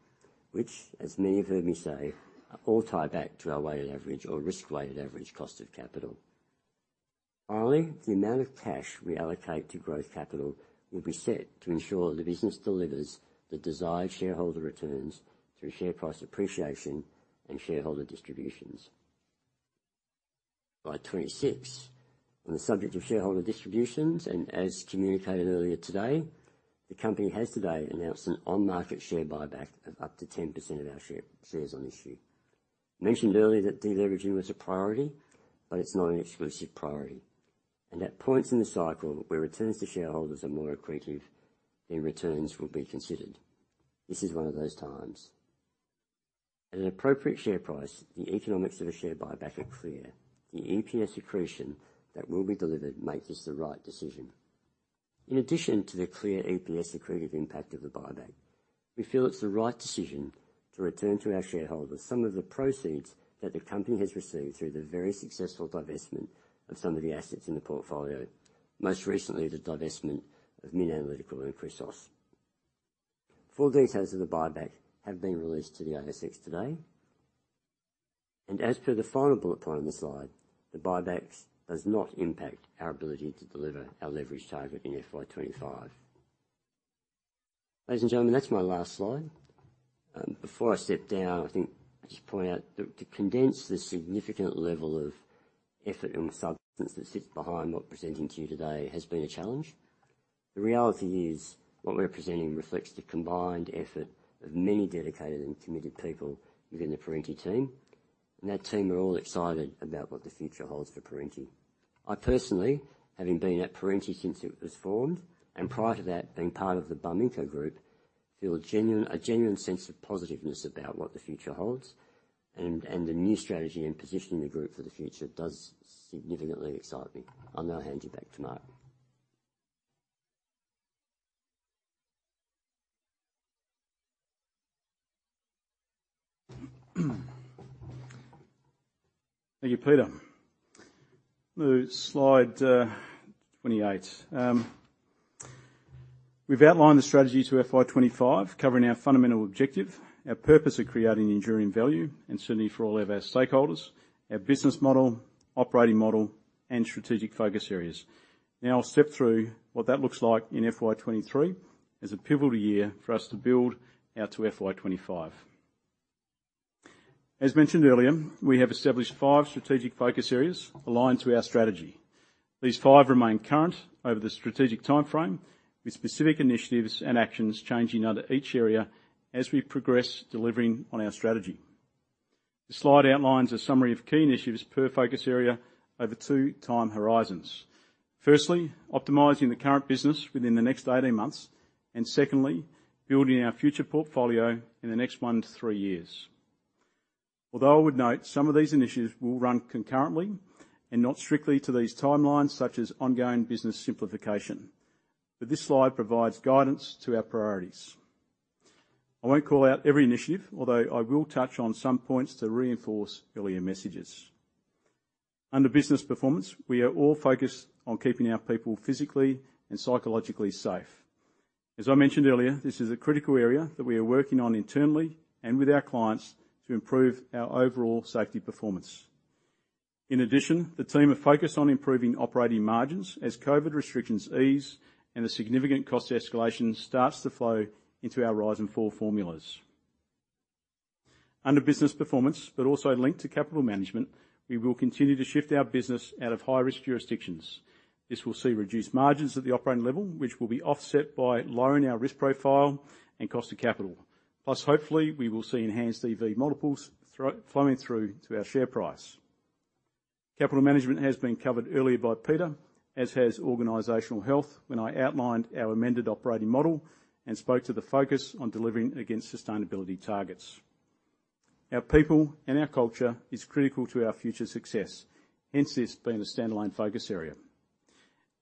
which as many have heard me say, are all tied back to our weighted average or risk-weighted average cost of capital. Finally, the amount of cash we allocate to growth capital will be set to ensure the business delivers the desired shareholder returns through share price appreciation and shareholder distributions by 2026. On the subject of shareholder distributions, as communicated earlier today, the company has today announced an on-market share buyback of up to 10% of our shares on issue. Mentioned earlier that deleveraging was a priority, but it's not an exclusive priority, and at points in the cycle where returns to shareholders are more accretive than returns will be considered. This is one of those times. At an appropriate share price, the economics of a share buyback are clear. The EPS accretion that will be delivered makes this the right decision. In addition to the clear EPS accretive impact of the buyback, we feel it's the right decision to return to our shareholders some of the proceeds that the company has received through the very successful divestment of some of the assets in the portfolio. Most recently, the divestment of MinAnalytical and Chrysos. Full details of the buyback have been released to the ASX today. As per the final bullet point on the slide, the buyback does not impact our ability to deliver our leverage target in FY 25. Ladies and gentlemen, that's my last slide. Before I step down, I think just point out that to condense the significant level of effort and substance that sits behind what we're presenting to you today has been a challenge. The reality is, what we're presenting reflects the combined effort of many dedicated and committed people within the Perenti team, and that team are all excited about what the future holds for Perenti. I personally, having been at Perenti since it was formed, and prior to that, being part of the Barminco group, feel a genuine sense of positiveness about what the future holds and the new strategy and positioning the group for the future does significantly excite me. I'll now hand you back to Mark. Thank you, Peter. Move to slide 28. We've outlined the strategy to FY 25, covering our fundamental objective, our purpose of creating enduring value, and certainly for all of our stakeholders, our business model, operating model, and strategic focus areas. Now I'll step through what that looks like in FY 23 as a pivotal year for us to build out to FY 25. As mentioned earlier, we have established five strategic focus areas aligned to our strategy. These five remain current over the strategic timeframe with specific initiatives and actions changing under each area as we progress delivering on our strategy. The slide outlines a summary of key initiatives per focus area over two time horizons. Firstly, optimizing the current business within the next 18 months, and secondly, building our future portfolio in the next 1 to 3 years. Although I would note, some of these initiatives will run concurrently and not strictly to these timelines, such as ongoing business simplification. This slide provides guidance to our priorities. I won't call out every initiative, although I will touch on some points to reinforce earlier messages. Under business performance, we are all focused on keeping our people physically and psychologically safe. As I mentioned earlier, this is a critical area that we are working on internally and with our clients to improve our overall safety performance. In addition, the team are focused on improving operating margins as COVID restrictions ease and the significant cost escalation starts to flow into our rise and fall formulas. Under business performance, but also linked to capital management, we will continue to shift our business out of high-risk jurisdictions. This will see reduced margins at the operating level, which will be offset by lowering our risk profile and cost of capital. Plus, hopefully, we will see enhanced EV multiples flowing through to our share price. Capital management has been covered earlier by Peter, as has organizational health when I outlined our amended operating model and spoke to the focus on delivering against sustainability targets. Our people and our culture is critical to our future success, hence this being a standalone focus area.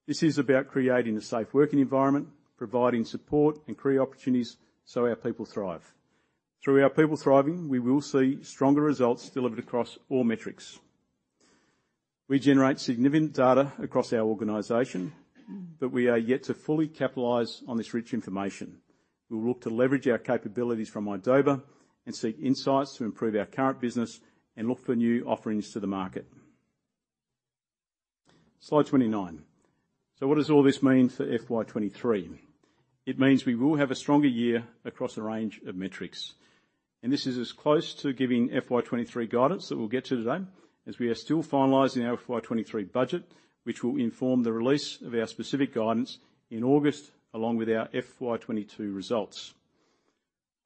This is about creating a safe working environment, providing support and career opportunities so our people thrive. Through our people thriving, we will see stronger results delivered across all metrics. We generate significant data across our organization, but we are yet to fully capitalize on this rich information. We'll look to leverage our capabilities from Idoba and seek insights to improve our current business and look for new offerings to the market. Slide 29. What does all this mean for FY 2023? It means we will have a stronger year across a range of metrics. This is as close to giving FY 2023 guidance that we'll get to today, as we are still finalizing our FY 2023 budget, which will inform the release of our specific guidance in August, along with our FY 2022 results.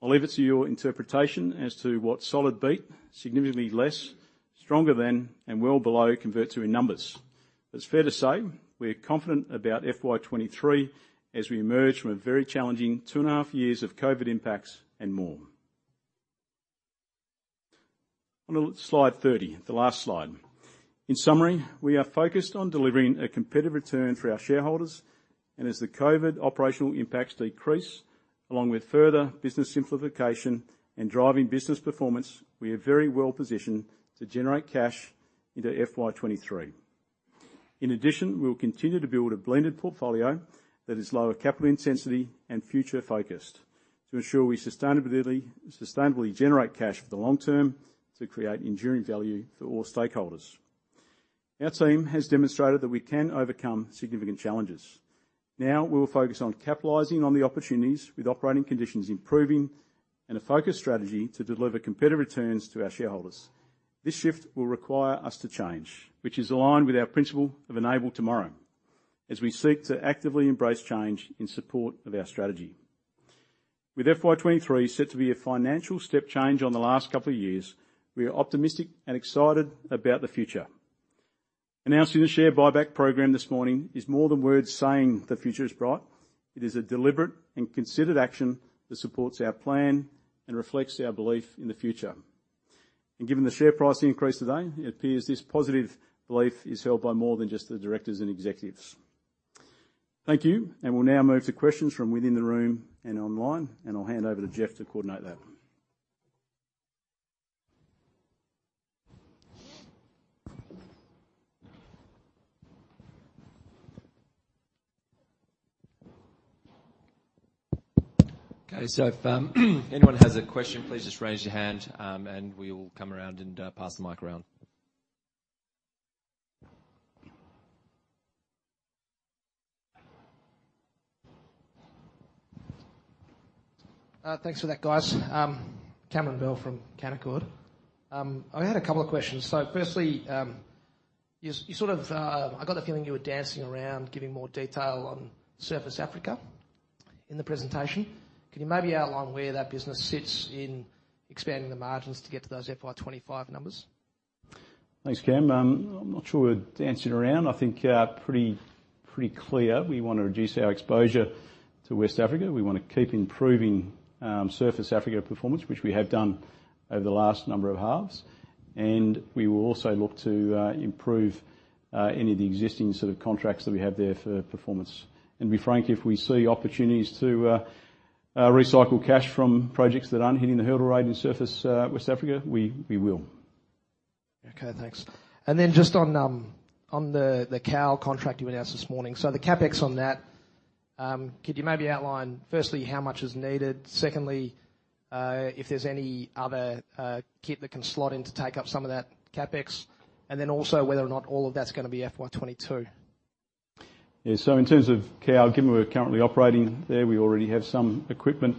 I'll leave it to your interpretation as to what solid beat, significantly less, stronger than, and well below convert to in numbers. It's fair to say we're confident about FY 2023 as we emerge from a very challenging 2.5 years of COVID impacts and more. On to slide 30, the last slide. In summary, we are focused on delivering a competitive return for our shareholders. As the COVID operational impacts decrease, along with further business simplification and driving business performance, we are very well positioned to generate cash into FY 2023. In addition, we will continue to build a blended portfolio that is lower capital intensity and future-focused to ensure we sustainably generate cash for the long term to create enduring value for all stakeholders. Our team has demonstrated that we can overcome significant challenges. Now we will focus on capitalizing on the opportunities with operating conditions improving and a focus strategy to deliver competitive returns to our shareholders. This shift will require us to change, which is aligned with our principle of Enable Tomorrow, as we seek to actively embrace change in support of our strategy. With FY 2023 set to be a financial step change on the last couple of years, we are optimistic and excited about the future. Announcing the share buyback program this morning is more than words saying the future is bright. It is a deliberate and considered action that supports our plan and reflects our belief in the future. Given the share price increase today, it appears this positive belief is held by more than just the directors and executives. Thank you. We'll now move to questions from within the room and online, and I'll hand over to Jeff to coordinate that. Okay. If anyone has a question, please just raise your hand, and we will come around and pass the mic around. Thanks for that, guys. Cameron Bell from Canaccord Genuity. I had a couple of questions. Firstly, you sort of, I got the feeling you were dancing around giving more detail on Surface Africa in the presentation. Can you maybe outline where that business sits in expanding the margins to get to those FY25 numbers? Thanks, Cam. I'm not sure we're dancing around. I think pretty clear we wanna reduce our exposure to West Africa. We wanna keep improving Surface Africa performance, which we have done over the last number of halves. We will also look to improve any of the existing sort of contracts that we have there for performance. To be frank, if we see opportunities to recycle cash from projects that aren't hitting the hurdle rate in Surface West Africa, we will. Okay, thanks. Just on the Cowal contract you announced this morning. The CapEx on that, could you maybe outline, firstly, how much is needed? Secondly, if there's any other kit that can slot in to take up some of that CapEx, and then also whether or not all of that's gonna be FY 2022. Yeah. In terms of Cowal, given we're currently operating there, we already have some equipment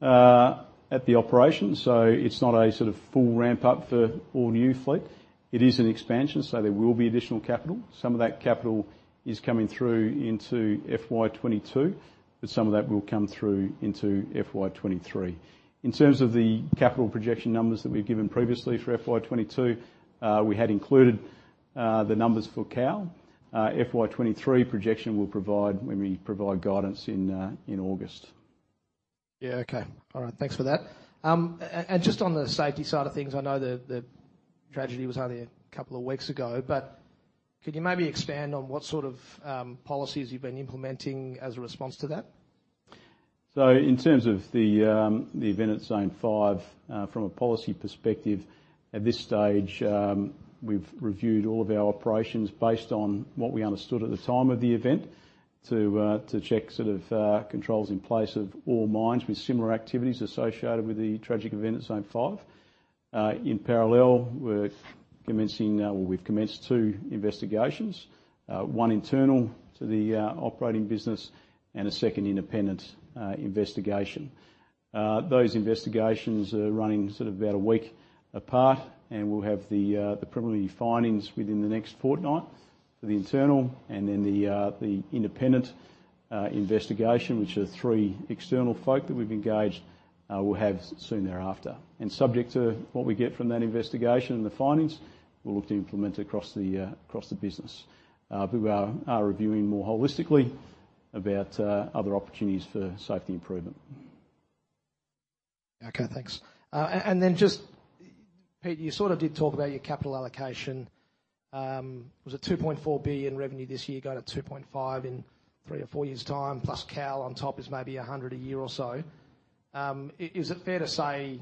at the operation. It's not a sort of full ramp up for all new fleet. It is an expansion, so there will be additional capital. Some of that capital is coming through into FY 2022, but some of that will come through into FY 2023. In terms of the capital projection numbers that we've given previously for FY 2022, we had included the numbers for Cowal. FY 2023 projection we'll provide when we provide guidance in August. Yeah. Okay. All right, thanks for that. Just on the safety side of things, I know the tragedy was only a couple of weeks ago, but could you maybe expand on what sort of policies you've been implementing as a response to that? In terms of the event at Zone Five, from a policy perspective, at this stage, we've reviewed all of our operations based on what we understood at the time of the event to check sort of controls in place at all mines with similar activities associated with the tragic event at Zone Five. In parallel, we're commencing or we've commenced two investigations. One internal to the operating business and a second independent investigation. Those investigations are running sort of about a week apart, and we'll have the preliminary findings within the next fortnight for the internal and then the independent investigation, which are three external folks that we've engaged, we'll have soon thereafter. Subject to what we get from that investigation and the findings, we'll look to implement across the business. But we are reviewing more holistically about other opportunities for safety improvement. Okay, thanks. Just, Peter, you sort of did talk about your capital allocation. Was it 2.4 billion revenue this year, going at 2.5 billion in three or four years' time, plus Cowal on top is maybe 100 million a year or so. Is it fair to say,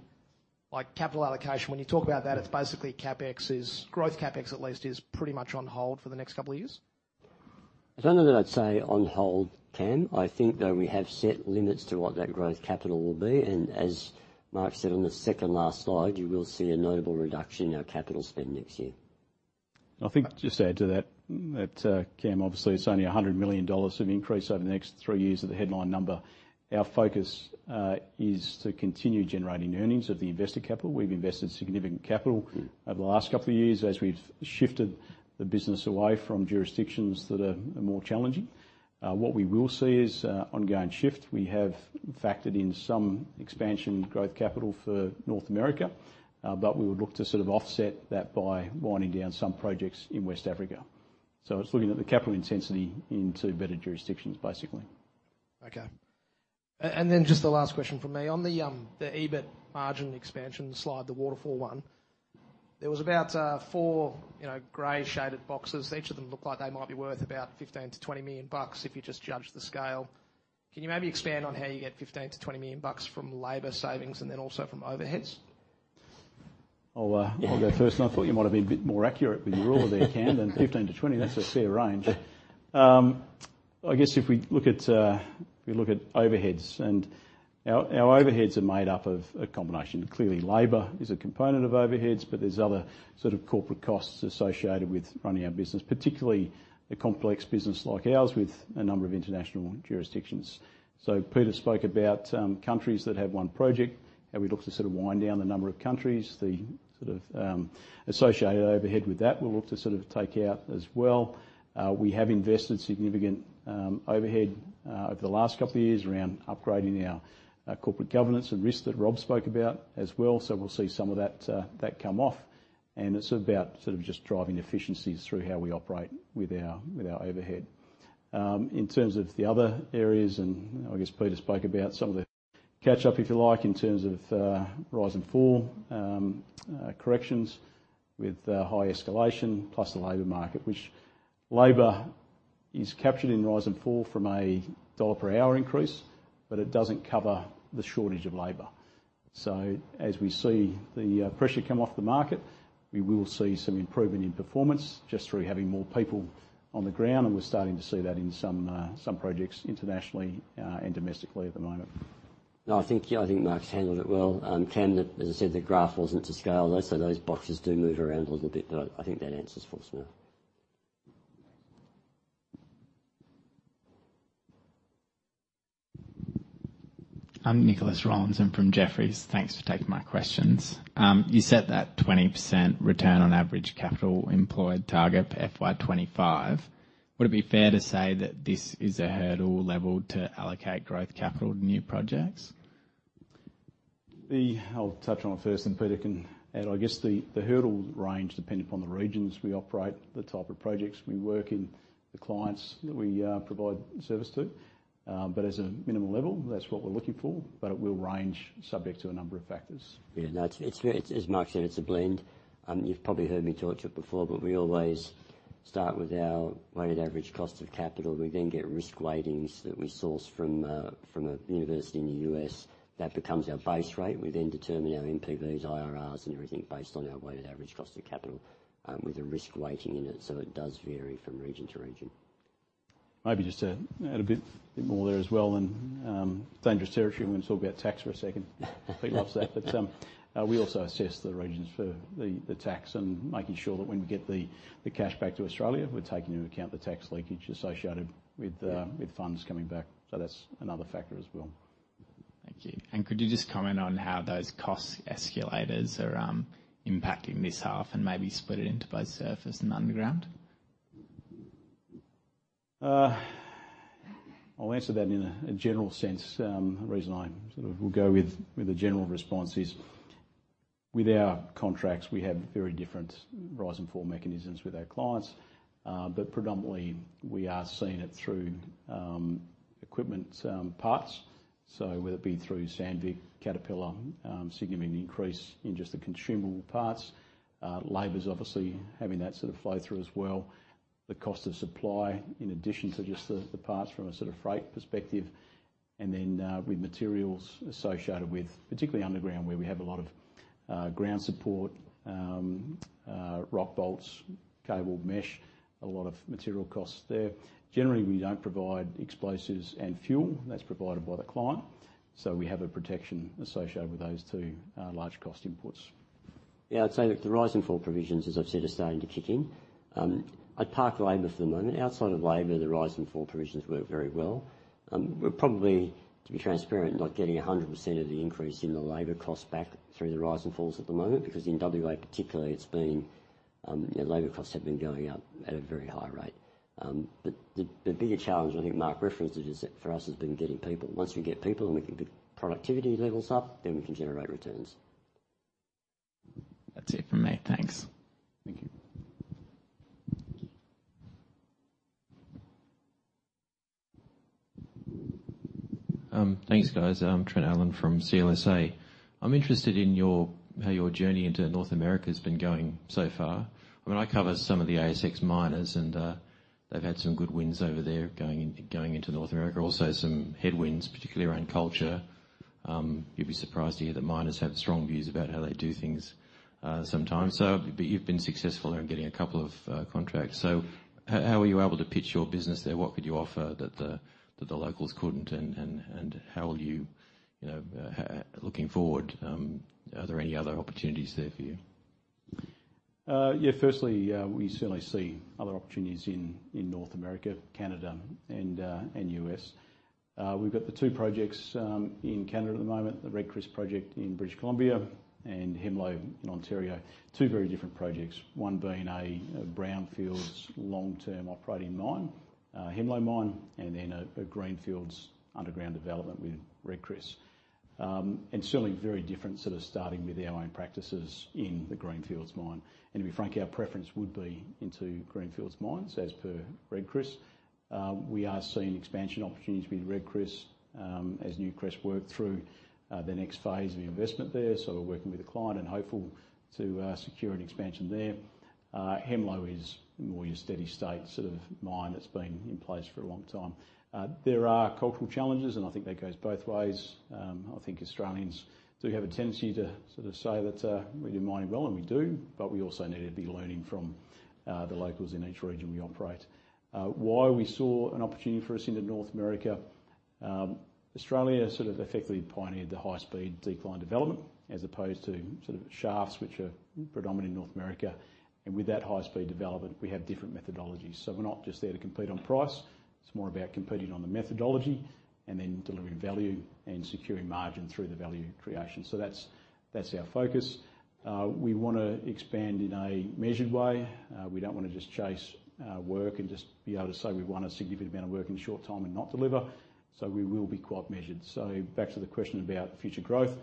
like, capital allocation, when you talk about that, it's basically growth CapEx at least, is pretty much on hold for the next couple of years? I don't know that I'd say on hold, Cam. I think though we have set limits to what that growth capital will be, and as Mark said on the second last slide, you will see a notable reduction in our capital spend next year. I think just to add to that, Cam, obviously it's only 100 million dollars of increase over the next three years of the headline number. Our focus is to continue generating earnings of the invested capital. We've invested significant capital over the last couple of years as we've shifted the business away from jurisdictions that are more challenging. What we will see is ongoing shift. We have factored in some expansion growth capital for North America, but we would look to sort of offset that by winding down some projects in West Africa. It's looking at the capital intensity into better jurisdictions, basically. Okay. Just the last question from me. On the EBIT margin expansion slide, the waterfall one, there was about four, you know, gray shaded boxes. Each of them look like they might be worth about 15 million-20 million bucks if you just judge the scale. Can you maybe expand on how you get 15 million-20 million bucks from labor savings and then also from overheads? I'll go first. I thought you might've been a bit more accurate with your rule there, Cam. 15%-20%, that's a fair range. I guess if we look at overheads, our overheads are made up of a combination. Clearly, labor is a component of overheads, but there's other sort of corporate costs associated with running our business, particularly a complex business like ours, with a number of international jurisdictions. Peter spoke about countries that have one project, how we look to sort of wind down the number of countries. The sort of associated overhead with that, we'll look to sort of take out as well. We have invested significant overhead over the last couple of years around upgrading our corporate governance and risk that Rob spoke about as well. We'll see some of that come off, and it's about sort of just driving efficiencies through how we operate with our overhead. In terms of the other areas, and I guess Peter spoke about some of the catch up, if you like, in terms of rise and fall corrections with high escalation, plus the labor market. Which labor is captured in rise and fall from a dollar per hour increase, but it doesn't cover the shortage of labor. As we see the pressure come off the market, we will see some improvement in performance just through having more people on the ground, and we're starting to see that in some projects internationally and domestically at the moment. No, I think, yeah, I think Mark's handled it well. Cam, as I said, the graph wasn't to scale though, so those boxes do move around a little bit, but I think that answers for us now. I'm Nicholas Rawlinson from Jefferies. Thanks for taking my questions. You set that 20% Return on Average Capital Employed target for FY 2025. Would it be fair to say that this is a hurdle level to allocate growth capital to new projects? I'll touch on it first then Peter can add. I guess the hurdle range depends upon the regions we operate, the type of projects we work in, the clients that we provide service to. As a minimum level, that's what we're looking for. It will range subject to a number of factors. Yeah, no, it's very. As Mark said, it's a blend. You've probably heard me talk about it before, but we always start with our weighted average cost of capital. We then get risk weightings that we source from a university in the US. That becomes our base rate. We then determine our NPVs, IRR and everything based on our weighted average cost of capital with a risk weighting in it. It does vary from region to region. Maybe just to add a bit more there as well, and dangerous territory when we talk about tax for a second. Peter loves that. We also assess the regions for the tax and making sure that when we get the cash back to Australia, we're taking into account the tax leakage associated with funds coming back. That's another factor as well. Thank you. Could you just comment on how those cost escalators are impacting this half and maybe split it into both surface and underground? I'll answer that in a general sense. The reason I sort of will go with a general response is, with our contracts, we have very different rise and fall mechanisms with our clients. Predominantly we are seeing it through equipment parts. Whether it be through Sandvik, Caterpillar, significant increase in just the consumable parts. Labor's obviously having that sort of flow through as well. The cost of supply in addition to just the parts from a sort of freight perspective. With materials associated with particularly underground, where we have a lot of ground support, rock bolts, cabled mesh, a lot of material costs there. Generally, we don't provide explosives and fuel. That's provided by the client. We have a protection associated with those two large cost inputs. Yeah, I'd say that the rise and fall provisions, as I've said, are starting to kick in. I'd park labor for the moment. Outside of labor, the rise and fall provisions work very well. We're probably, to be transparent, not getting 100% of the increase in the labor cost back through the rise and falls at the moment, because in WA particularly, it's been, you know, labor costs have been going up at a very high rate. The bigger challenge, and I think Mark referenced it, is that for us it's been getting people. Once we get people and we can get productivity levels up, then we can generate returns. That's it from me. Thanks. Thank you. Thanks, guys. I'm Trent Allen from CLSA. I'm interested in how your journey into North America has been going so far. I mean, I cover some of the ASX miners, and they've had some good wins over there going into North America. Also some headwinds, particularly around culture. You'd be surprised to hear that miners have strong views about how they do things, sometimes. But you've been successful in getting a couple of contracts. How were you able to pitch your business there? What could you offer that the locals couldn't? And how will you know, looking forward, are there any other opportunities there for you? Yeah. Firstly, we certainly see other opportunities in North America, Canada and US. We've got the two projects in Canada at the moment, the Red Chris project in British Columbia and Hemlo in Ontario. Two very different projects. One being a brownfield long-term operating mine, Hemlo mine, and then a greenfield underground development with Red Chris. Certainly very different sort of starting with our own practices in the greenfield mine. To be frank, our preference would be into greenfield mines as per Red Chris. We are seeing expansion opportunities with Red Chris, as Newcrest works through the next phase of the investment there. We're working with the client and hopeful to secure an expansion there. Hemlo is more your steady-state sort of mine that's been in place for a long time. There are cultural challenges, and I think that goes both ways. I think Australians do have a tendency to sort of say that we do mining well, and we do, but we also need to be learning from the locals in each region we operate. Australia sort of effectively pioneered the high speed decline development as opposed to sort of shafts which are predominant in North America. With that high-speed development, we have different methodologies. We're not just there to compete on price, it's more about competing on the methodology and then delivering value and securing margin through the value creation. That's our focus. We wanna expand in a measured way. We don't wanna just chase work and just be able to say we've won a significant amount of work in a short time and not deliver, so we will be quite measured. Back to the question about future growth,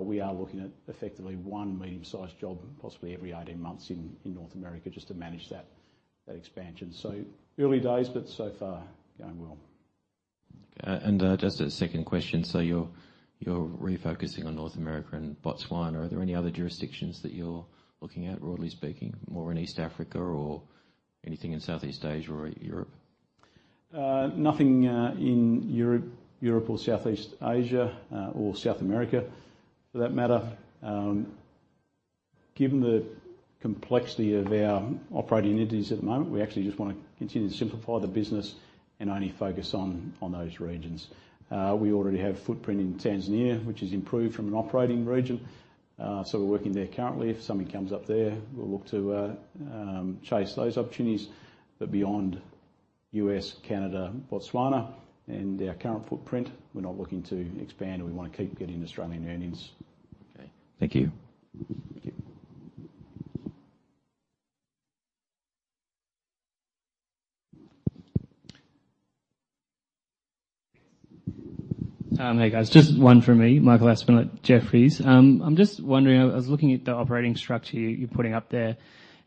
we are looking at effectively one medium-sized job, possibly every 18 months in North America, just to manage that expansion. Early days, but so far, going well. Just a second question. You're refocusing on North America and Botswana. Are there any other jurisdictions that you're looking at, broadly speaking, more in East Africa or anything in Southeast Asia or Europe? Nothing in Europe or Southeast Asia or South America for that matter. Given the complexity of our operating entities at the moment, we actually just wanna continue to simplify the business and only focus on those regions. We already have footprint in Tanzania, which has improved from an operating region. We're working there currently. If something comes up there, we'll look to chase those opportunities. Beyond US, Canada, Botswana and our current footprint, we're not looking to expand, and we wanna keep getting Australian earnings. Okay. Thank you. Thank you. Hey, guys, just one for me. Michael Ellis at Jefferies. I'm just wondering, I was looking at the operating structure you're putting up there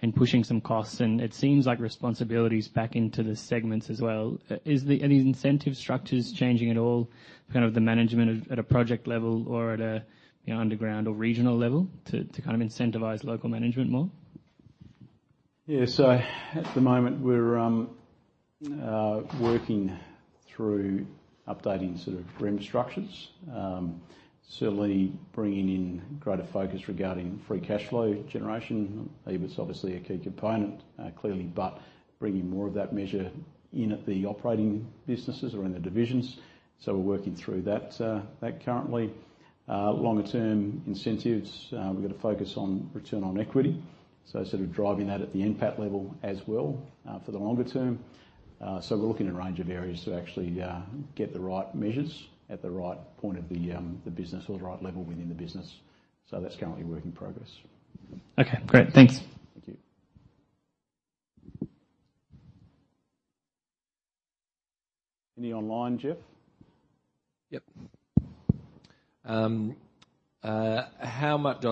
and pushing some costs, and it seems like responsibilities back into the segments as well. Are these incentive structures changing at all, kind of the management at a project level or at a, you know, underground or regional level to kind of incentivize local management more? Yeah. At the moment, we're working through updating sort of rem structures. Certainly bringing in greater focus regarding free cash flow generation. EBIT's obviously a key component, clearly. Bringing more of that measure in at the operating businesses or in the divisions. We're working through that currently. Longer term incentives, we've got to focus on return on equity, so sort of driving that at the NPAT level as well, for the longer term. We're looking at a range of areas to actually get the right measures at the right point of the business or the right level within the business. That's currently work in progress. Okay, great. Thanks. Thank you. Any online, Jeff? Yep. Oh,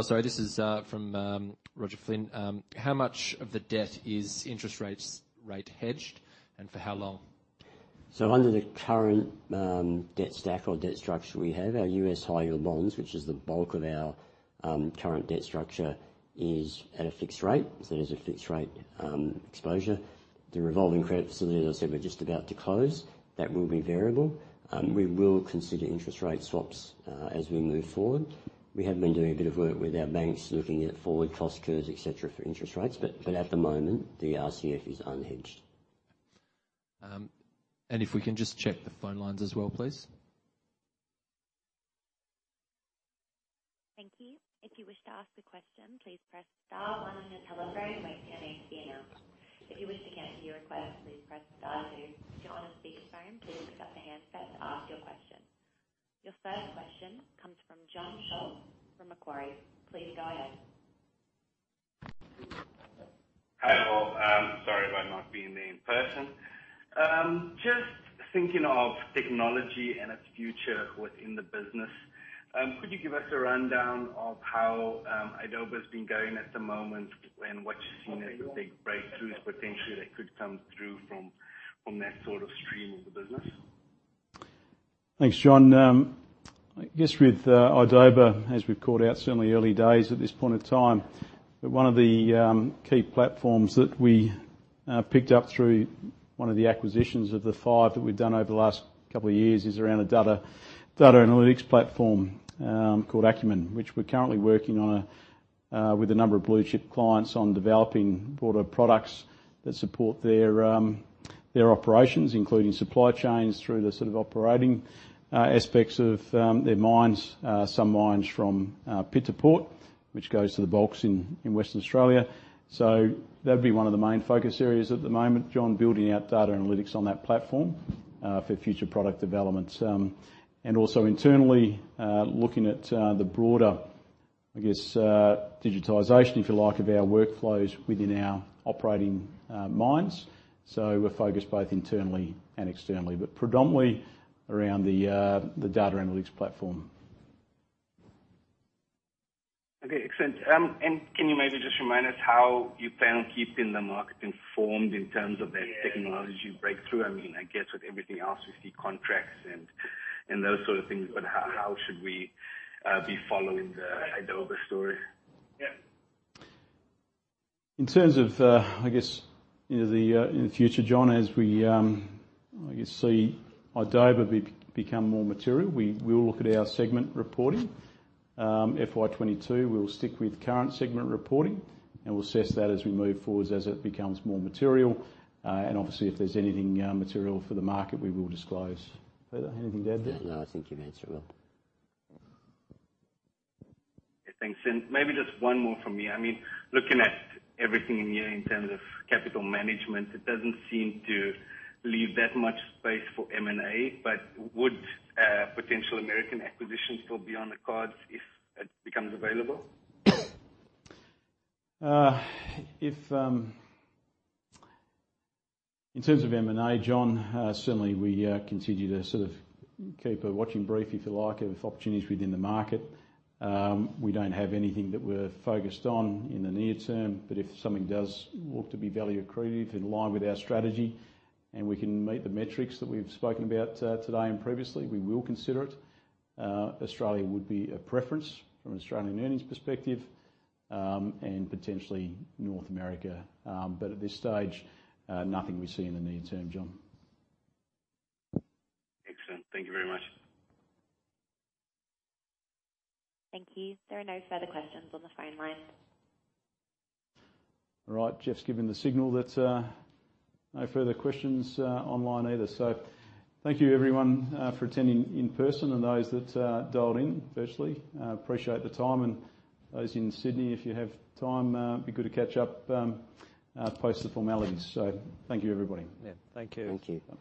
sorry, this is from Roger N. S. Flynn. How much of the debt is interest-rate hedged, and for how long? Under the current debt stack or debt structure we have, our US high-yield bonds, which is the bulk of our current debt structure, is at a fixed rate. There's a fixed rate exposure. The revolving credit facility, as I said, we're just about to close. That will be variable. We will consider interest rate swaps as we move forward. We have been doing a bit of work with our banks, looking at forward cost curves, et cetera, for interest rates. But at the moment, the RCF is unhedged. If we can just check the phone lines as well, please. Thank you. If you wish to ask a question, please press star one on your telephone and wait for your name to be announced. If you wish to cancel your request, please press star two. If you're on a speakerphone, please pick up the handset to ask your question. Your first question comes from Jon Scholtz from Macquarie. Please go ahead. Hi, all. Sorry about not being there in person. Just thinking of technology and its future within the business, could you give us a rundown of how Idoba's been going at the moment and what you're seeing as the big breakthroughs potentially that could come through from that sort of stream of the business? Thanks, Jon. I guess with Idoba, as we've called out, certainly early days at this point in time, but one of the key platforms that we picked up through one of the acquisitions of the 5 that we've done over the last couple of years is around a data analytics platform called acumen. We're currently working on with a number of blue chip clients on developing broader products that support their operations, including supply chains through the sort of operating aspects of their mines. Some mines from pit to port, which goes to the bulks in Western Australia. That'd be one of the main focus areas at the moment, Jon, building out data analytics on that platform for future product development. Also, internally, looking at the broader, I guess, digitization, if you like, of our workflows within our operating mines. We're focused both internally and externally. Predominantly around the data analytics platform. Okay, excellent. Can you maybe just remind us how you plan on keeping the market informed in terms of that technology breakthrough? I mean, I guess with everything else we see contracts and those sort of things, but how should we be following the Idoba story? Yeah. In terms of, I guess you know, then in the future, Jon, as we, I guess, see Idoba become more material, we will look at our segment reporting. FY 2022, we'll stick with current segment reporting and we'll assess that as we move forward as it becomes more material. Obviously if there's anything material for the market, we will disclose. Peter, anything to add there? No, I think you've answered well. Yeah. Thanks. Maybe just one more from me. I mean, looking at everything in here in terms of capital management, it doesn't seem to leave that much space for M&A. Would a potential American acquisition still be on the cards if it becomes available? In terms of M&A, Jon, certainly we continue to sort of keep a watching brief, if you like, of opportunities within the market. We don't have anything that we're focused on in the near term, but if something does look to be value accretive in line with our strategy and we can meet the metrics that we've spoken about today and previously, we will consider it. Australia would be a preference from an Australian earnings perspective, and potentially North America. At this stage, nothing we see in the near term, Jon. Excellent. Thank you very much. Thank you. There are no further questions on the phone line. All right. Jeff's given the signal that no further questions online either. Thank you everyone for attending in person and those that dialed in virtually. Appreciate the time and those in Sydney, if you have time, it'd be good to catch up post the formalities. Thank you everybody. Yeah. Thank you. Thank you.